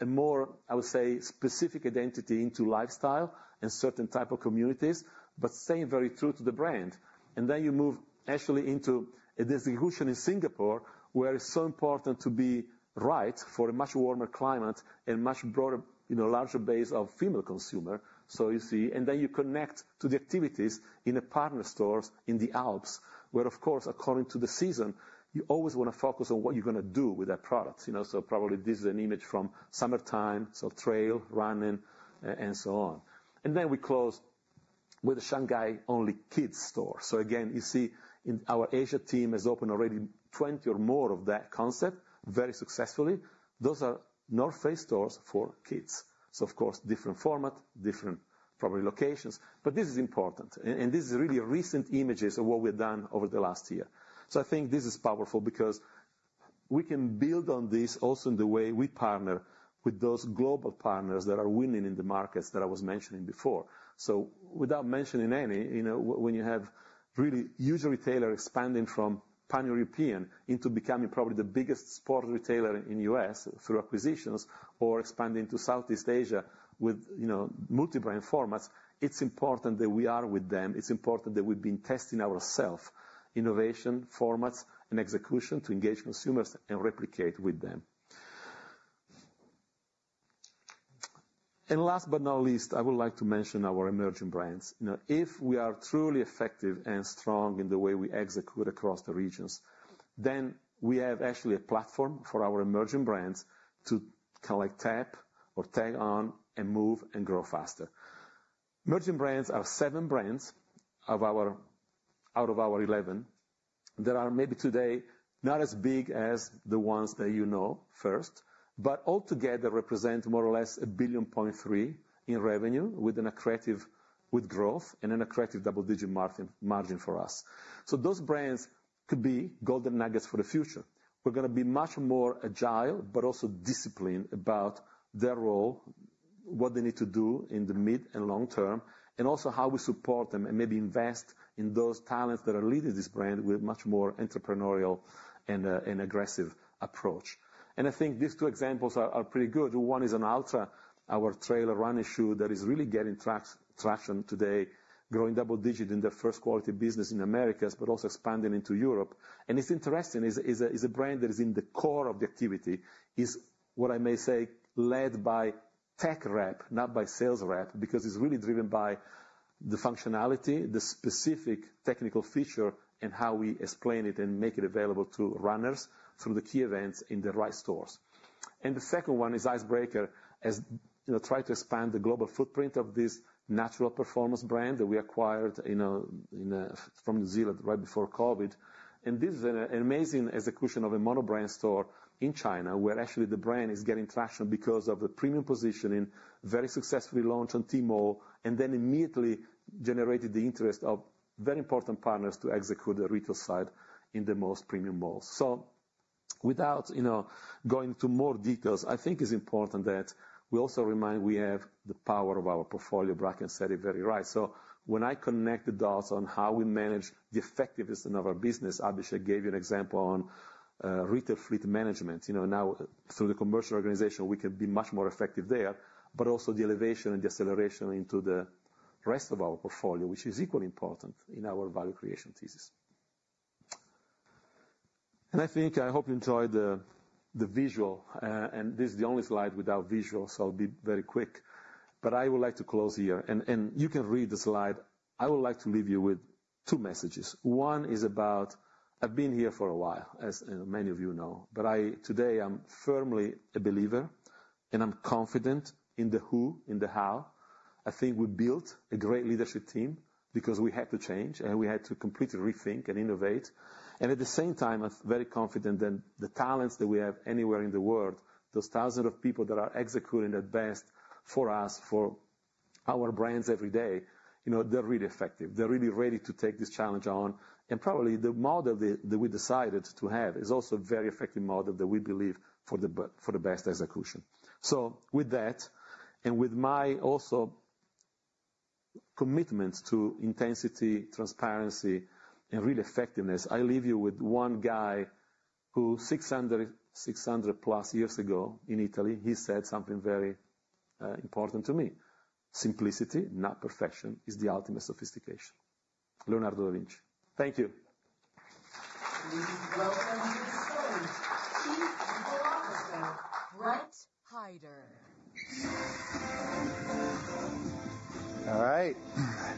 I would say, specific identity into lifestyle and certain type of communities, but staying very true to the brand. And then you move actually into an execution in Singapore where it's so important to be right for a much warmer climate and much broader, larger base of female consumer. So you see, and then you connect to the activities in the partner stores in the Alps where, of course, according to the season, you always want to focus on what you're going to do with that product. So probably this is an image from summertime, so trail running, and so on. And then we close with a Shanghai-only kids store. So again, you see our Asia team has opened already 20 or more of that concept very successfully. Those are North Face stores for kids. So, of course, different format, different probably locations, but this is important. And this is really recent images of what we have done over the last year. So I think this is powerful because we can build on this also in the way we partner with those global partners that are winning in the markets that I was mentioning before. So without mentioning any, when you have really huge retailer expanding from Pan-European into becoming probably the biggest sports retailer in the U.S. through acquisitions or expanding to Southeast Asia with multi-brand formats, it's important that we are with them. It's important that we've been testing ourself, innovation, formats, and execution to engage consumers and replicate with them. And last but not least, I would like to mention our emerging brands. If we are truly effective and strong in the way we execute across the regions, then we have actually a platform for our emerging brands to kind of tap or tag on and move and grow faster. Emerging brands are seven brands out of our 11. There are maybe today not as big as the ones that you know first, but altogether represent more or less $1.3 billion in revenue with a credible growth and a credible double-digit margin for us. So those brands could be golden nuggets for the future. We're going to be much more agile, but also disciplined about their role, what they need to do in the mid and long term, and also how we support them and maybe invest in those talents that are leading this brand with a much more entrepreneurial and aggressive approach, and I think these two examples are pretty good. One is Altra, our Altra, running shoe that is really getting traction today, growing double-digit in their first-quality business in Americas, but also expanding into Europe, and it's interesting. It's a brand that is in the core of the activity is what I may say led by tech rep, not by sales rep, because it's really driven by the functionality, the specific technical feature, and how we explain it and make it available to runners through the key events in the right stores. And the second one is Icebreaker, as trying to expand the global footprint of this natural performance brand that we acquired from New Zealand right before COVID. And this is an amazing execution of a monobrand store in China where actually the brand is getting traction because of the premium positioning, very successfully launched on Tmall, and then immediately generated the interest of very important partners to execute the retail side in the most premium malls. So without going into more details, I think it's important that we also remind we have the power of our portfolio. Bracken said it very right. So when I connect the dots on how we manage the effectiveness in our business, Abhishek gave you an example on retail fleet management. Now, through the commercial organization, we can be much more effective there, but also the elevation and the acceleration into the rest of our portfolio, which is equally important in our value creation thesis. And I think I hope you enjoyed the visual. And this is the only slide without visuals, so I'll be very quick. But I would like to close here. And you can read the slide. I would like to leave you with two messages. One is about. I've been here for a while, as many of you know, but today I'm firmly a believer, and I'm confident in the who, in the how. I think we built a great leadership team because we had to change, and we had to completely rethink and innovate. And at the same time, I'm very confident that the talents that we have anywhere in the world, those thousands of people that are executing at best for us, for our brands every day, they're really effective. They're really ready to take this challenge on. And probably the model that we decided to have is also a very effective model that we believe for the best execution. So with that, and with my also commitments to intensity, transparency, and real effectiveness, I leave you with one guy who, 600 plus years ago in Italy, he said something very important to me. Simplicity, not perfection, is the ultimate sophistication. Leonardo da Vinci. Thank you. Please welcome to the stage, Chief Philosopher Brent Hyder. All right.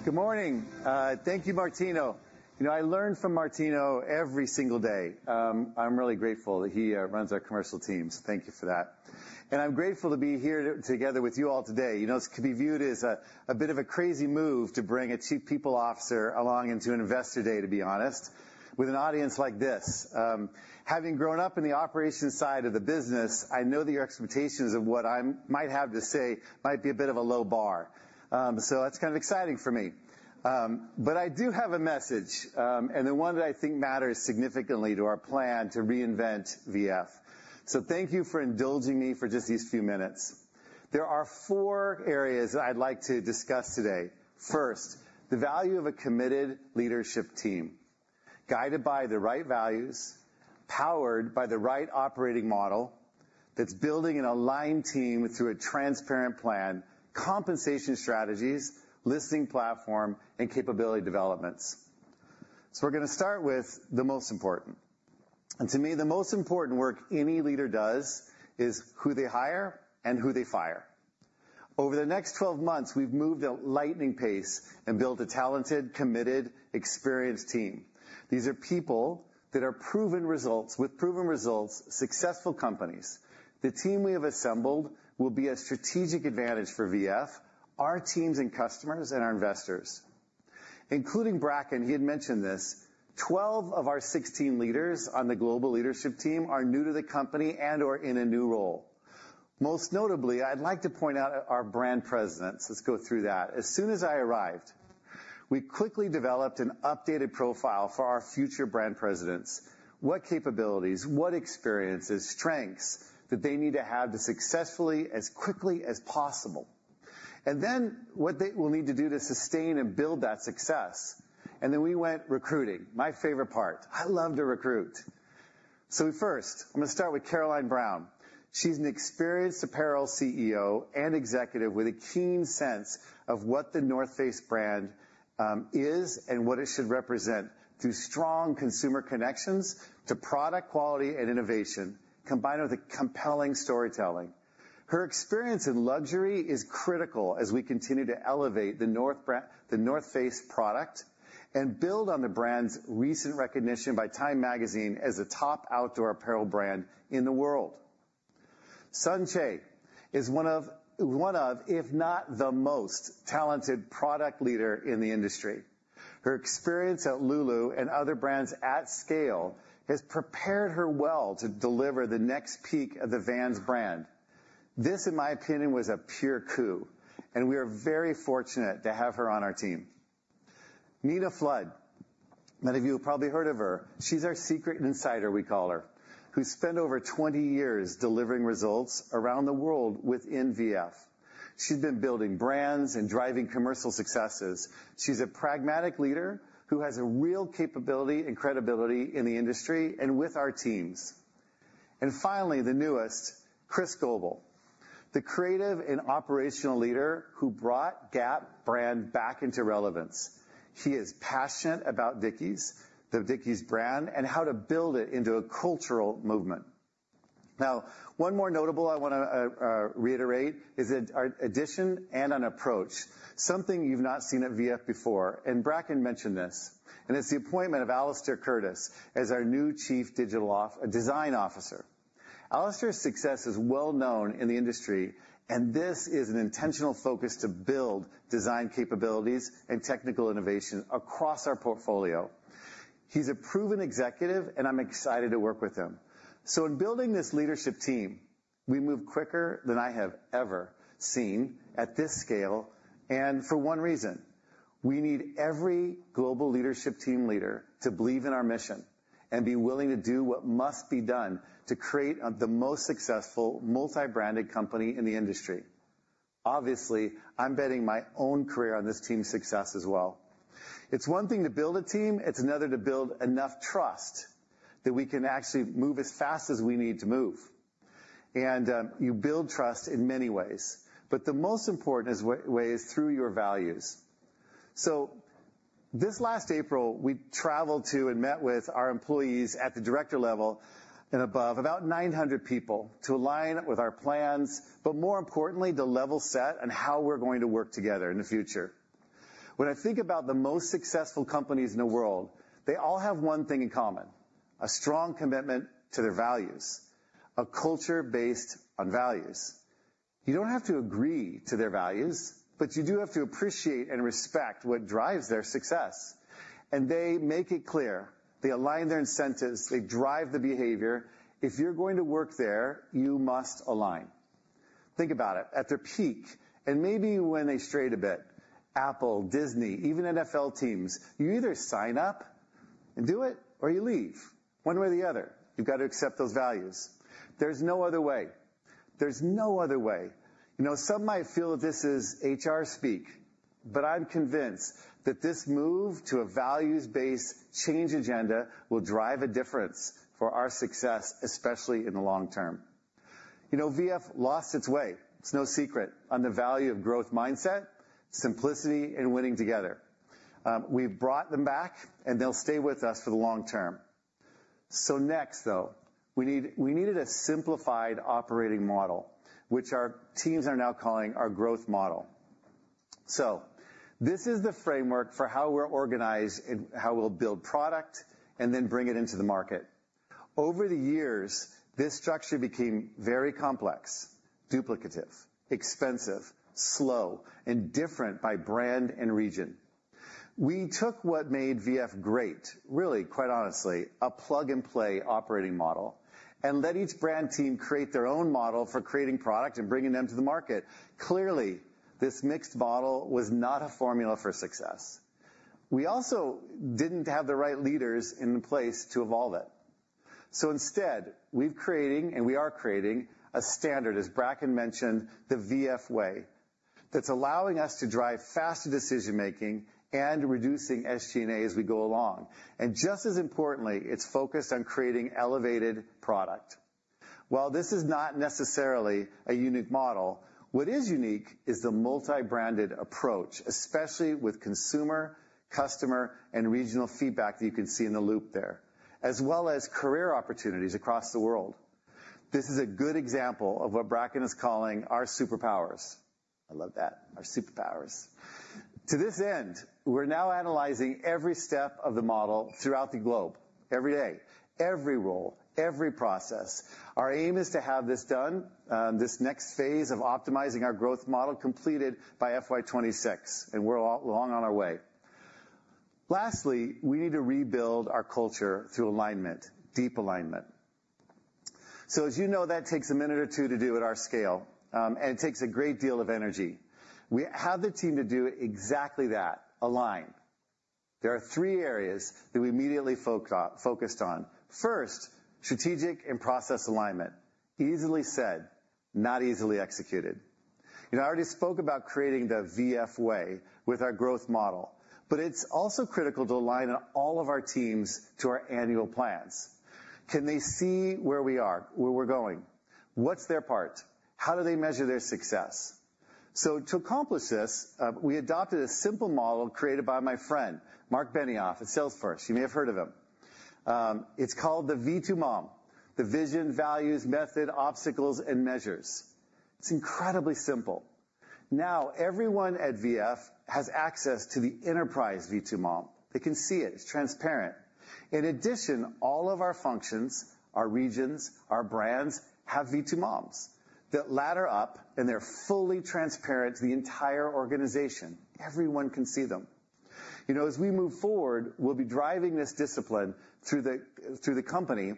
Good morning. Thank you, Martino. I learn from Martino every single day. I'm really grateful that he runs our commercial team. So thank you for that. And I'm grateful to be here together with you all today. It could be viewed as a bit of a crazy move to bring a Chief People Officer along into an investor day, to be honest, with an audience like this. Having grown up in the operations side of the business, I know that your expectations of what I might have to say might be a bit of a low bar. So that's kind of exciting for me. But I do have a message, and the one that I think matters significantly to our plan to reinvent VF. So thank you for indulging me for just these few minutes. There are four areas I'd like to discuss today. First, the value of a committed leadership team guided by the right values, powered by the right operating model that's building an aligned team through a transparent plan, compensation strategies, listening platform, and capability developments. So we're going to start with the most important, and to me, the most important work any leader does is who they hire and who they fire. Over the next 12 months, we've moved at lightning pace and built a talented, committed, experienced team. These are people that are proven results with proven results, successful companies. The team we have assembled will be a strategic advantage for VF, our teams, and customers and our investors. Including Bracken, he had mentioned this, 12 of our 16 leaders on the global leadership team are new to the company and/or in a new role. Most notably, I'd like to point out our brand presidents. Let's go through that. As soon as I arrived, we quickly developed an updated profile for our future brand presidents. What capabilities, what experiences, strengths that they need to have to successfully as quickly as possible? And then what they will need to do to sustain and build that success. And then we went recruiting. My favorite part. I love to recruit. First, I'm going to start with Caroline Brown. She's an experienced apparel CEO and executive with a keen sense of what The North Face brand is and what it should represent through strong consumer connections to product quality and innovation combined with compelling storytelling. Her experience in luxury is critical as we continue to elevate The North Face product and build on the brand's recent recognition by Time Magazine as a top outdoor apparel brand in the world. Sun Choe is one of, if not the most talented product leader in the industry. Her experience at Lululemon and other brands at scale has prepared her well to deliver the next peak of the Vans brand. This, in my opinion, was a pure coup, and we are very fortunate to have her on our team. Nina Flood, many of you have probably heard of her. She's our secret insider, we call her, who spent over 20 years delivering results around the world within VF. She's been building brands and driving commercial successes. She's a pragmatic leader who has a real capability and credibility in the industry and with our teams. And finally, the newest, Chris Goble, the creative and operational leader who brought Gap brand back into relevance. He is passionate about Dickies, the Dickies brand, and how to build it into a cultural movement. Now, one more notable I want to reiterate is an addition and an approach, something you've not seen at VF before. And Bracken mentioned this, and it's the appointment of Alastair Curtis as our new Chief Design Officer. Alastair's success is well known in the industry, and this is an intentional focus to build design capabilities and technical innovation across our portfolio. He's a proven executive, and I'm excited to work with him, so in building this leadership team, we move quicker than I have ever seen at this scale, and for one reason, we need every global leadership team leader to believe in our mission and be willing to do what must be done to create the most successful multi-branded company in the industry. Obviously, I'm betting my own career on this team's success as well. It's one thing to build a team. It's another to build enough trust that we can actually move as fast as we need to move, and you build trust in many ways, but the most important way is through your values. So this last April, we traveled to and met with our employees at the director level and above, about 900 people to align with our plans, but more importantly, the level set and how we're going to work together in the future. When I think about the most successful companies in the world, they all have one thing in common: a strong commitment to their values, a culture based on values. You don't have to agree to their values, but you do have to appreciate and respect what drives their success. And they make it clear. They align their incentives. They drive the behavior. If you're going to work there, you must align. Think about it. At their peak, and maybe when they strayed a bit, Apple, Disney, even NFL teams, you either sign up and do it or you leave. One way or the other, you've got to accept those values. There's no other way. There's no other way. Some might feel that this is HR speak, but I'm convinced that this move to a values-based change agenda will drive a difference for our success, especially in the long term. VF lost its way. It's no secret on the value of growth mindset, simplicity, and winning together. We've brought them back, and they'll stay with us for the long term. So next, though, we needed a simplified operating model, which our teams are now calling our growth model. So this is the framework for how we're organized and how we'll build product and then bring it into the market. Over the years, this structure became very complex, duplicative, expensive, slow, and different by brand and region. We took what made VF great, really, quite honestly, a plug-and-play operating model and let each brand team create their own model for creating product and bringing them to the market. Clearly, this mixed model was not a formula for success. We also didn't have the right leaders in place to evolve it. So instead, we're creating a standard, as Bracken mentioned, the VF way that's allowing us to drive faster decision-making and reducing SG&A as we go along. And just as importantly, it's focused on creating elevated product. While this is not necessarily a unique model, what is unique is the multi-branded approach, especially with consumer, customer, and regional feedback that you can see in the loop there, as well as career opportunities across the world. This is a good example of what Bracken is calling our superpowers. I love that. Our superpowers. To this end, we're now analyzing every step of the model throughout the globe, every day, every role, every process. Our aim is to have this done, this next phase of optimizing our growth model completed by FY26, and we're well on our way. Lastly, we need to rebuild our culture through alignment, deep alignment. So as you know, that takes a minute or two to do at our scale, and it takes a great deal of energy. We have the team to do exactly that, align. There are three areas that we immediately focused on. First, strategic and process alignment. Easily said, not easily executed. I already spoke about creating the VF way with our growth model, but it's also critical to align all of our teams to our annual plans. Can they see where we are, where we're going? What's their part? How do they measure their success? So to accomplish this, we adopted a simple model created by my friend, Mark Benioff, at Salesforce. You may have heard of him. It's called the V2MOM, the Vision, Values, Method, Obstacles, and Measures. It's incredibly simple. Now, everyone at VF has access to the enterprise V2MOM. They can see it. It's transparent. In addition, all of our functions, our regions, our brands have V2MOMs that ladder up, and they're fully transparent to the entire organization. Everyone can see them. As we move forward, we'll be driving this discipline through the company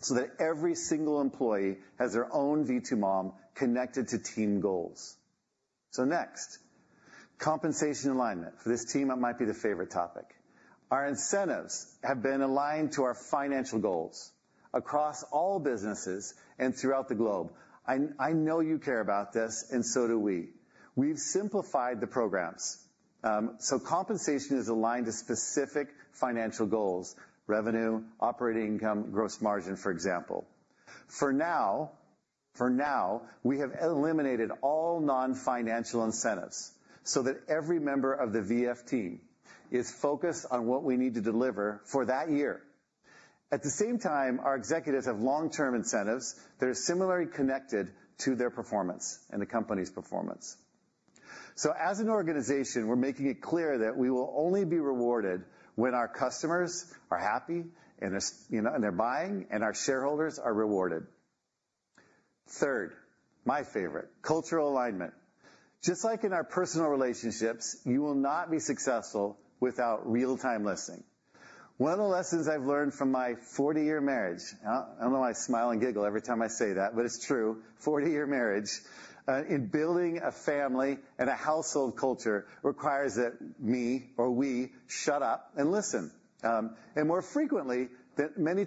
so that every single employee has their own V2MOM connected to team goals. So next, compensation alignment. For this team, it might be the favorite topic. Our incentives have been aligned to our financial goals across all businesses and throughout the globe. I know you care about this, and so do we. We've simplified the programs. So compensation is aligned to specific financial goals: revenue, operating income, gross margin, for example. For now, we have eliminated all non-financial incentives so that every member of the VF team is focused on what we need to deliver for that year. At the same time, our executives have long-term incentives that are similarly connected to their performance and the company's performance. So as an organization, we're making it clear that we will only be rewarded when our customers are happy and they're buying and our shareholders are rewarded. Third, my favorite, cultural alignment. Just like in our personal relationships, you will not be successful without real-time listening. One of the lessons I've learned from my 40-year marriage (I don't know why I smile and giggle every time I say that, but it's true) 40-year marriage in building a family and a household culture requires that me or we shut up and listen, and more frequently than many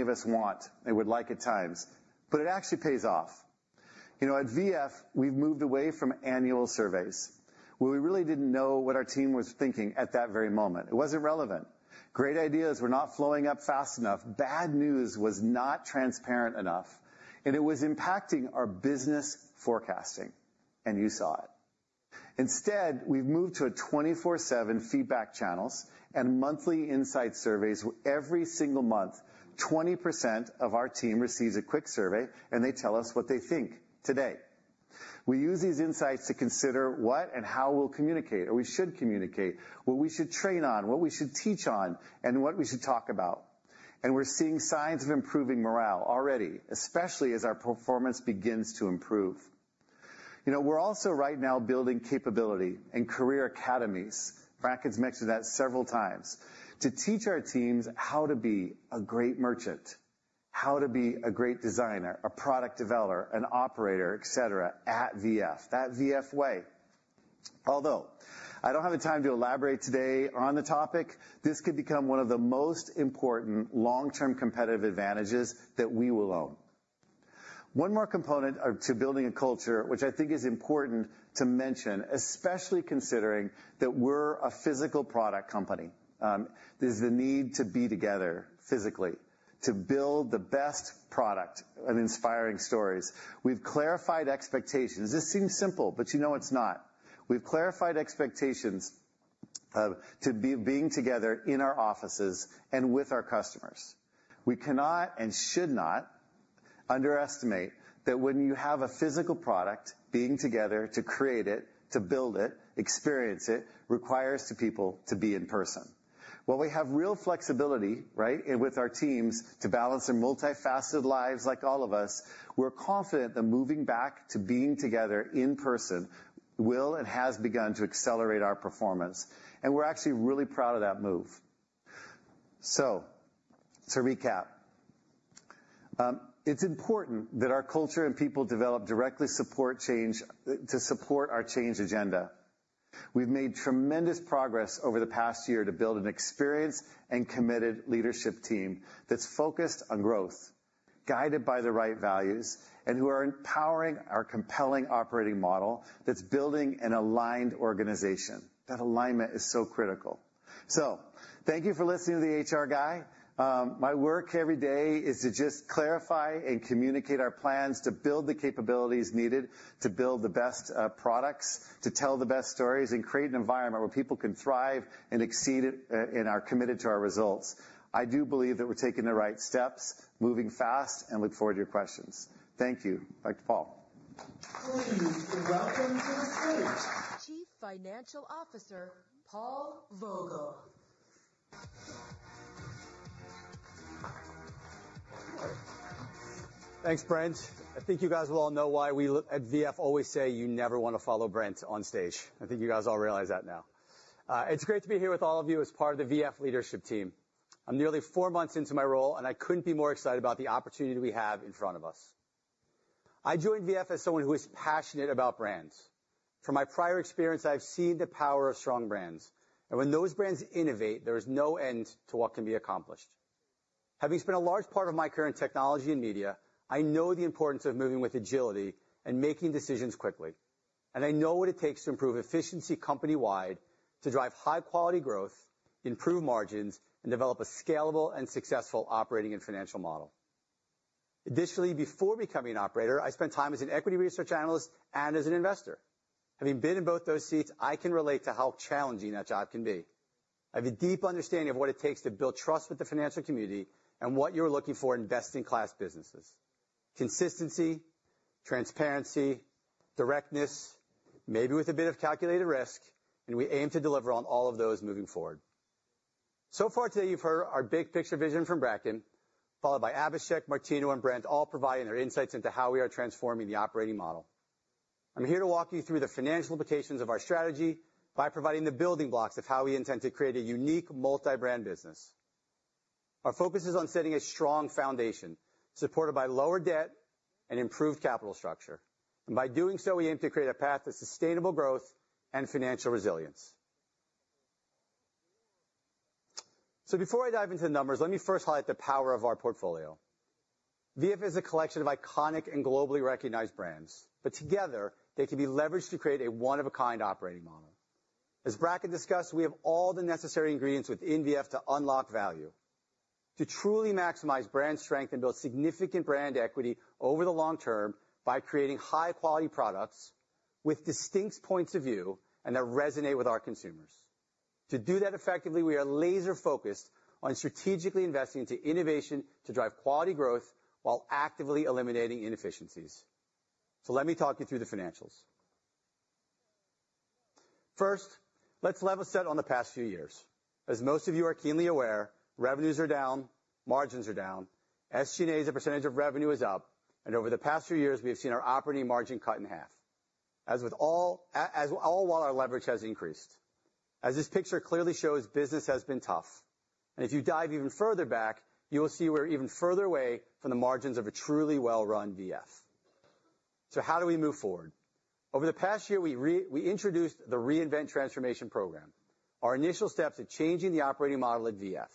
of us want and would like at times, but it actually pays off. At VF, we've moved away from annual surveys where we really didn't know what our team was thinking at that very moment. It wasn't relevant. Great ideas were not flowing up fast enough. Bad news was not transparent enough, and it was impacting our business forecasting, and you saw it. Instead, we've moved to 24/7 feedback channels and monthly insight surveys every single month. 20% of our team receives a quick survey, and they tell us what they think today. We use these insights to consider what and how we'll communicate or we should communicate, what we should train on, what we should teach on, and what we should talk about. And we're seeing signs of improving morale already, especially as our performance begins to improve. We're also right now building capability and career academies. Bracken's mentioned that several times to teach our teams how to be a great merchant, how to be a great designer, a product developer, an operator, etc., at VF, that VF way. Although I don't have the time to elaborate today on the topic, this could become one of the most important long-term competitive advantages that we will own. One more component to building a culture, which I think is important to mention, especially considering that we're a physical product company, is the need to be together physically to build the best product and inspiring stories. We've clarified expectations. This seems simple, but you know it's not. We've clarified expectations of being together in our offices and with our customers. We cannot and should not underestimate that when you have a physical product, being together to create it, to build it, experience it requires people to be in person. While we have real flexibility with our teams to balance their multifaceted lives like all of us, we're confident that moving back to being together in person will and has begun to accelerate our performance, and we're actually really proud of that move. So to recap, it's important that our culture and people develop directly support change to support our change agenda. We've made tremendous progress over the past year to build an experienced and committed leadership team that's focused on growth, guided by the right values, and who are empowering our compelling operating model that's building an aligned organization. That alignment is so critical. So thank you for listening to the HR guy. My work every day is to just clarify and communicate our plans to build the capabilities needed to build the best products, to tell the best stories, and create an environment where people can thrive and exceed and are committed to our results. I do believe that we're taking the right steps, moving fast, and look forward to your questions. Thank you. Back to Paul. Please welcome to the stage Chief Financial Officer Paul Vogel. Thanks, Brent. I think you guys will all know why we at VF always say you never want to follow Brent on stage. I think you guys all realize that now. It's great to be here with all of you as part of the VF leadership team. I'm nearly four months into my role, and I couldn't be more excited about the opportunity we have in front of us. I joined VF as someone who is passionate about brands. From my prior experience, I've seen the power of strong brands. And when those brands innovate, there is no end to what can be accomplished. Having spent a large part of my career in technology and media, I know the importance of moving with agility and making decisions quickly. I know what it takes to improve efficiency company-wide to drive high-quality growth, improve margins, and develop a scalable and successful operating and financial model. Additionally, before becoming an operator, I spent time as an equity research analyst and as an investor. Having been in both those seats, I can relate to how challenging that job can be. I have a deep understanding of what it takes to build trust with the financial community and what you're looking for in best-in-class businesses: consistency, transparency, directness, maybe with a bit of calculated risk, and we aim to deliver on all of those moving forward. So far today, you've heard our big-picture vision from Bracken, followed by Abhishek, Martino, and Brent, all providing their insights into how we are transforming the operating model. I'm here to walk you through the financial implications of our strategy by providing the building blocks of how we intend to create a unique multi-brand business. Our focus is on setting a strong foundation supported by lower debt and improved capital structure, and by doing so, we aim to create a path to sustainable growth and financial resilience, so before I dive into the numbers, let me first highlight the power of our portfolio. VF is a collection of iconic and globally recognized brands, but together, they can be leveraged to create a one-of-a-kind operating model. As Bracken discussed, we have all the necessary ingredients within VF to unlock value, to truly maximize brand strength and build significant brand equity over the long term by creating high-quality products with distinct points of view that resonate with our consumers. To do that effectively, we are laser-focused on strategically investing into innovation to drive quality growth while actively eliminating inefficiencies. So let me talk you through the financials. First, let's level set on the past few years. As most of you are keenly aware, revenues are down, margins are down, SG&A's percentage of revenue is up, and over the past few years, we have seen our operating margin cut in half, all while our leverage has increased. As this picture clearly shows, business has been tough. If you dive even further back, you will see we're even further away from the margins of a truly well-run VF. So how do we move forward? Over the past year, we introduced the Reinvent Transformation Program, our initial steps to changing the operating model at VF.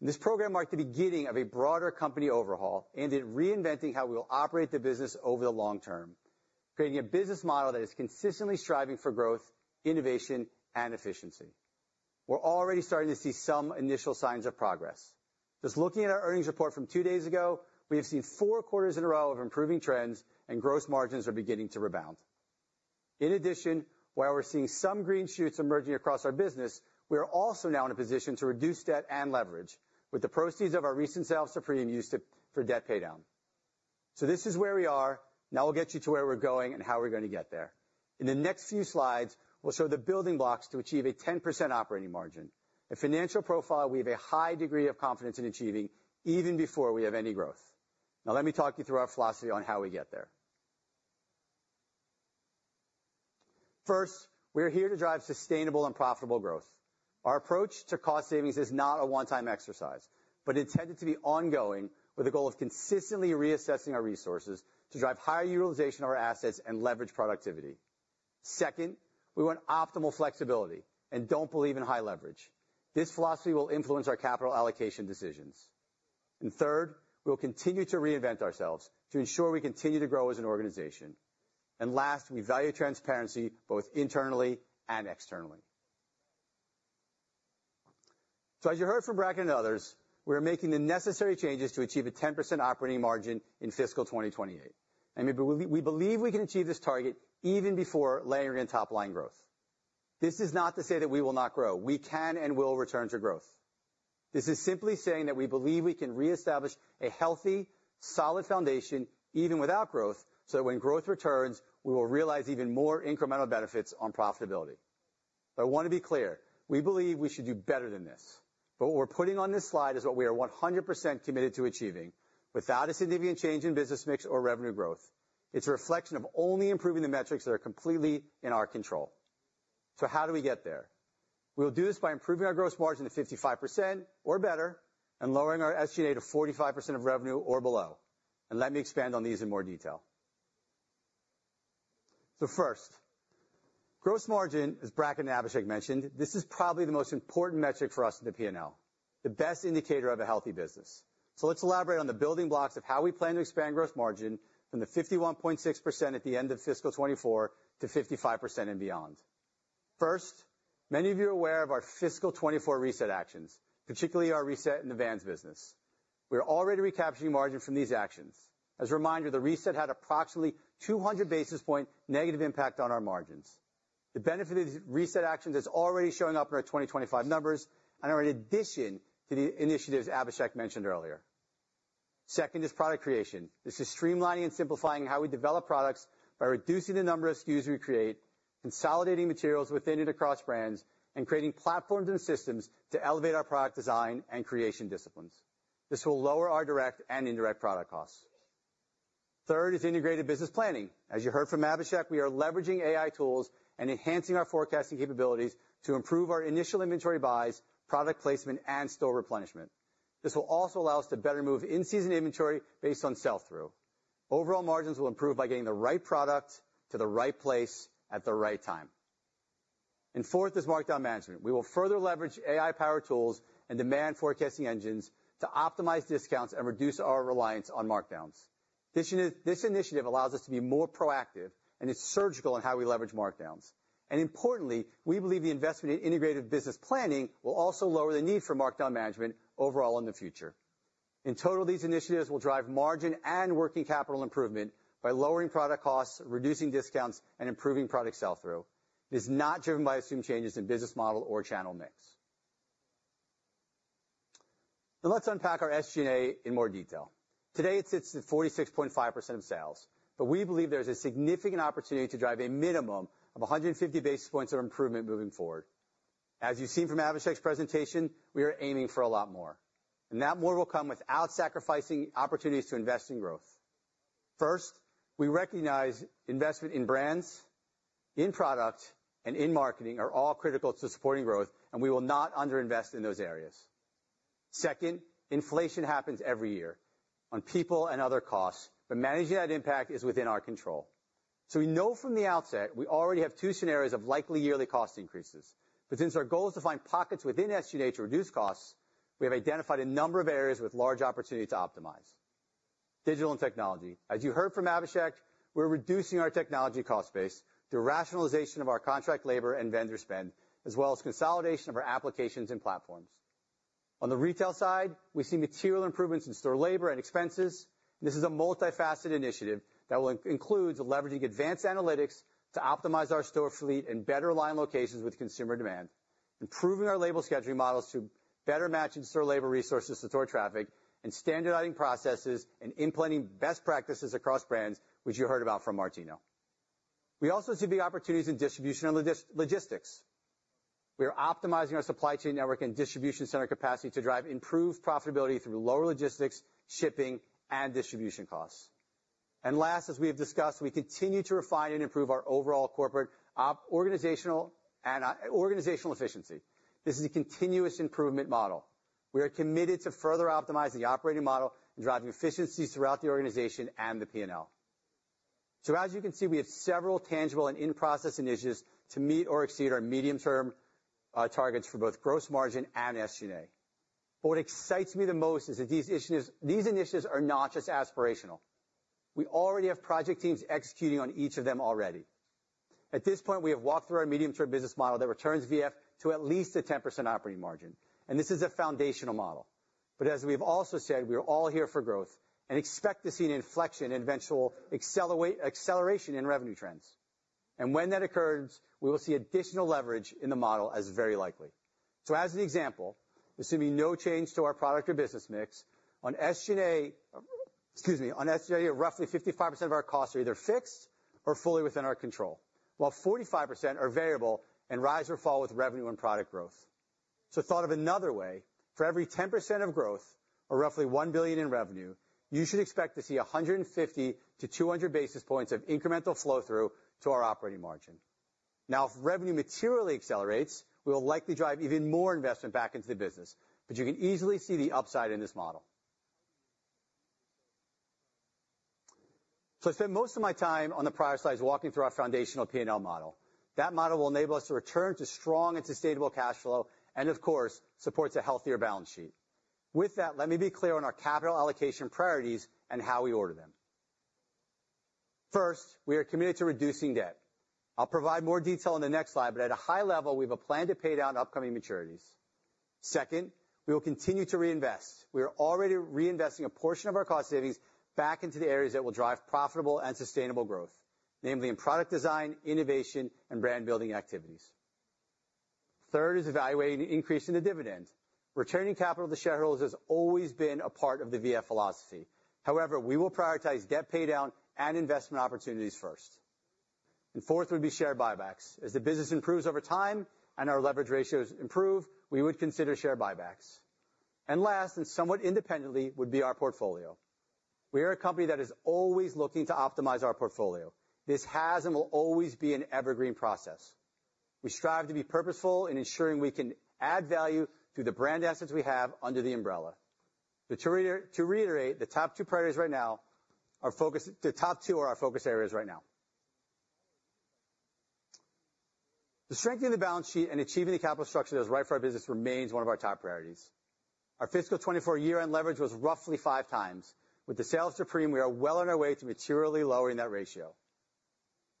This program marked the beginning of a broader company overhaul and in reinventing how we will operate the business over the long term, creating a business model that is consistently striving for growth, innovation, and efficiency. We're already starting to see some initial signs of progress. Just looking at our earnings report from two days ago, we have seen four quarters in a row of improving trends, and gross margins are beginning to rebound. In addition, while we're seeing some green shoots emerging across our business, we are also now in a position to reduce debt and leverage with the proceeds of our recent sale of Supreme used for debt paydown. So this is where we are. Now we'll get you to where we're going and how we're going to get there. In the next few slides, we'll show the building blocks to achieve a 10% operating margin. A financial profile we have a high degree of confidence in achieving even before we have any growth. Now let me talk you through our philosophy on how we get there. First, we are here to drive sustainable and profitable growth. Our approach to cost savings is not a one-time exercise, but intended to be ongoing with the goal of consistently reassessing our resources to drive higher utilization of our assets and leverage productivity. Second, we want optimal flexibility and don't believe in high leverage. This philosophy will influence our capital allocation decisions, and third, we'll continue to reinvent ourselves to ensure we continue to grow as an organization, and last, we value transparency both internally and externally, so as you heard from Bracken and others, we are making the necessary changes to achieve a 10% operating margin in fiscal 2028. And we believe we can achieve this target even before layering on top line growth. This is not to say that we will not grow. We can and will return to growth. This is simply saying that we believe we can reestablish a healthy, solid foundation even without growth so that when growth returns, we will realize even more incremental benefits on profitability. But I want to be clear. We believe we should do better than this. But what we're putting on this slide is what we are 100% committed to achieving without a significant change in business mix or revenue growth. It's a reflection of only improving the metrics that are completely in our control. So how do we get there? We'll do this by improving our gross margin to 55% or better and lowering our SG&A to 45% of revenue or below. Let me expand on these in more detail. So first, gross margin, as Bracken and Abhishek mentioned, this is probably the most important metric for us at the P&L, the best indicator of a healthy business. So let's elaborate on the building blocks of how we plan to expand gross margin from the 51.6% at the end of fiscal 2024 to 55% and beyond. First, many of you are aware of our fiscal 2024 reset actions, particularly our reset in the Vans business. We're already recapturing margin from these actions. As a reminder, the reset had approximately 200 basis points negative impact on our margins. The benefit of these reset actions is already showing up in our 2025 numbers and are in addition to the initiatives Abhishek mentioned earlier. Second is product creation. This is streamlining and simplifying how we develop products by reducing the number of SKUs we create, consolidating materials within and across brands, and creating platforms and systems to elevate our product design and creation disciplines. This will lower our direct and indirect product costs. Third is integrated business planning. As you heard from Abhishek, we are leveraging AI tools and enhancing our forecasting capabilities to improve our initial inventory buys, product placement, and store replenishment. This will also allow us to better move in-season inventory based on sell-through. Overall margins will improve by getting the right product to the right place at the right time. And fourth is markdown management. We will further leverage AI-powered tools and demand forecasting engines to optimize discounts and reduce our reliance on markdowns. This initiative allows us to be more proactive and is surgical in how we leverage markdowns. Importantly, we believe the investment in integrated business planning will also lower the need for markdown management overall in the future. In total, these initiatives will drive margin and working capital improvement by lowering product costs, reducing discounts, and improving product sell-through. It is not driven by assumed changes in business model or channel mix. Now let's unpack our SG&A in more detail. Today, it sits at 46.5% of sales, but we believe there is a significant opportunity to drive a minimum of 150 basis points of improvement moving forward. As you've seen from Abhishek's presentation, we are aiming for a lot more. That more will come without sacrificing opportunities to invest in growth. First, we recognize investment in brands, in product, and in marketing are all critical to supporting growth, and we will not underinvest in those areas. Second, inflation happens every year on people and other costs, but managing that impact is within our control. So we know from the outset we already have two scenarios of likely yearly cost increases. But since our goal is to find pockets within SG&A to reduce costs, we have identified a number of areas with large opportunity to optimize: digital and technology. As you heard from Abhishek, we're reducing our technology cost base through rationalization of our contract labor and vendor spend, as well as consolidation of our applications and platforms. On the retail side, we see material improvements in store labor and expenses. This is a multifaceted initiative that will include leveraging advanced analytics to optimize our store fleet and better align locations with consumer demand, improving our labor scheduling models to better match in-store labor resources to store traffic, and standardizing processes and implementing best practices across brands, which you heard about from Martino. We also see big opportunities in distribution and logistics. We are optimizing our supply chain network and distribution center capacity to drive improved profitability through lower logistics, shipping, and distribution costs. And last, as we have discussed, we continue to refine and improve our overall corporate organizational efficiency. This is a continuous improvement model. We are committed to further optimizing the operating model and driving efficiencies throughout the organization and the P&L. So as you can see, we have several tangible and in-process initiatives to meet or exceed our medium-term targets for both gross margin and SG&A. But what excites me the most is that these initiatives are not just aspirational. We already have project teams executing on each of them already. At this point, we have walked through our medium-term business model that returns VF to at least a 10% operating margin. And this is a foundational model. But as we have also said, we are all here for growth and expect to see an inflection and eventual acceleration in revenue trends. And when that occurs, we will see additional leverage in the model as very likely. So as an example, there seems to be no change to our product or business mix. On SG&A, excuse me, on SG&A, roughly 55% of our costs are either fixed or fully within our control, while 45% are variable and rise or fall with revenue and product growth. So, thought of another way, for every 10% of growth or roughly $1 billion in revenue, you should expect to see 150-200 basis points of incremental flow-through to our operating margin. Now, if revenue materially accelerates, we will likely drive even more investment back into the business. But you can easily see the upside in this model. So I spent most of my time on the prior slides walking through our foundational P&L model. That model will enable us to return to strong and sustainable cash flow and, of course, supports a healthier balance sheet. With that, let me be clear on our capital allocation priorities and how we order them. First, we are committed to reducing debt. I'll provide more detail on the next slide, but at a high level, we have a plan to pay down upcoming maturities. Second, we will continue to reinvest. We are already reinvesting a portion of our cost savings back into the areas that will drive profitable and sustainable growth, namely in product design, innovation, and brand-building activities. Third is evaluating an increase in the dividend. Returning capital to shareholders has always been a part of the VF philosophy. However, we will prioritize debt paydown and investment opportunities first. And fourth would be share buybacks. As the business improves over time and our leverage ratios improve, we would consider share buybacks. And last, and somewhat independently, would be our portfolio. We are a company that is always looking to optimize our portfolio. This has and will always be an evergreen process. We strive to be purposeful in ensuring we can add value through the brand assets we have under the umbrella. To reiterate, the top two priorities right now are focused. The top two are our focus areas right now. Strengthening the balance sheet and achieving the capital structure that is right for our business remains one of our top priorities. Our fiscal 2024 year-end leverage was roughly five times. With the sale to Sycamore, we are well on our way to materially lowering that ratio.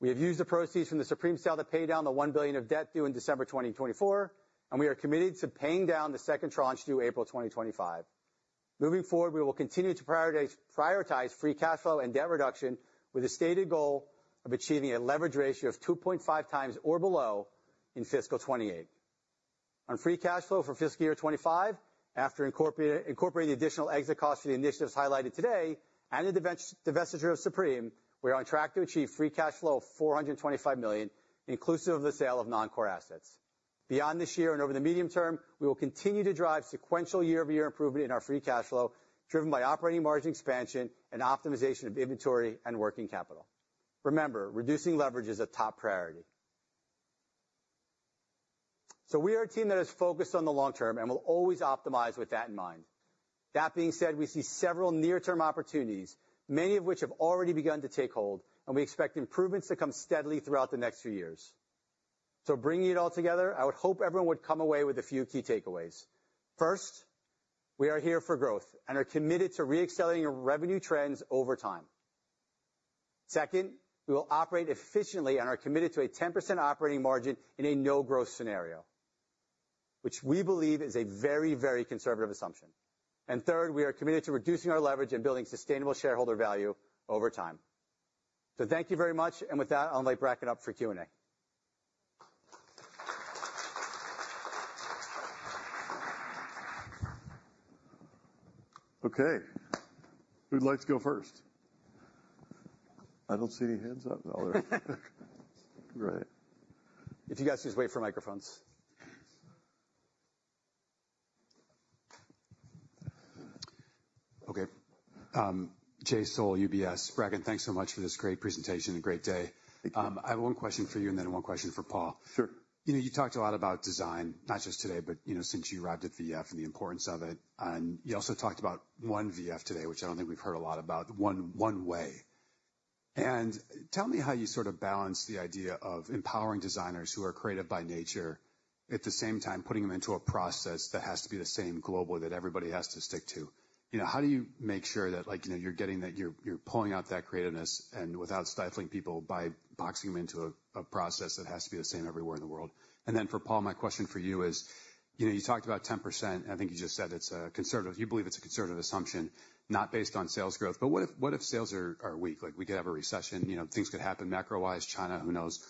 We have used the proceeds from the Supreme sale to pay down the $1 billion of debt due in December 2024, and we are committed to paying down the second tranche due April 2025. Moving forward, we will continue to prioritize free cash flow and debt reduction with a stated goal of achieving a leverage ratio of 2.5 times or below in fiscal 2028. On free cash flow for fiscal year 25, after incorporating the additional exit costs for the initiatives highlighted today and the divestiture of Supreme, we are on track to achieve free Cash flow of $425 million, inclusive of the sale of non-core assets. Beyond this year and over the medium term, we will continue to drive sequential year-over-year improvement in our free cash flow, driven by operating margin expansion and optimization of inventory and working capital. Remember, reducing leverage is a top priority. So we are a team that is focused on the long term and will always optimize with that in mind. That being said, we see several near-term opportunities, many of which have already begun to take hold, and we expect improvements to come steadily throughout the next few years. So bringing it all together, I would hope everyone would come away with a few key takeaways. First, we are here for growth and are committed to re-accelerating our revenue trends over time. Second, we will operate efficiently and are committed to a 10% operating margin in a no-growth scenario, which we believe is a very, very conservative assumption. And third, we are committed to reducing our leverage and building sustainable shareholder value over time. So thank you very much. And with that, I'll let Bracken up for Q&A. Okay. Who'd like to go first? I don't see any hands up. Oh, there. Great. If you guys just wait for microphones. Okay. Jay Sole, UBS. Bracken, thanks so much for this great presentation and great day. Thank you. I have one question for you and then one question for Paul. Sure. You talked a lot about design, not just today, but since you arrived at VF and the importance of it. And you also talked about One VF today, which I don't think we've heard a lot about, One VF Way. And tell me how you sort of balance the idea of empowering designers who are creative by nature at the same time putting them into a process that has to be the same globally that everybody has to stick to. How do you make sure that you're pulling out that creativeness without stifling people by boxing them into a process that has to be the same everywhere in the world? And then for Paul, my question for you is you talked about 10%, and I think you just said it's a conservative—you believe it's a conservative assumption, not based on sales growth. But what if sales are weak? We could have a recession. Things could happen macro-wise, China, who knows?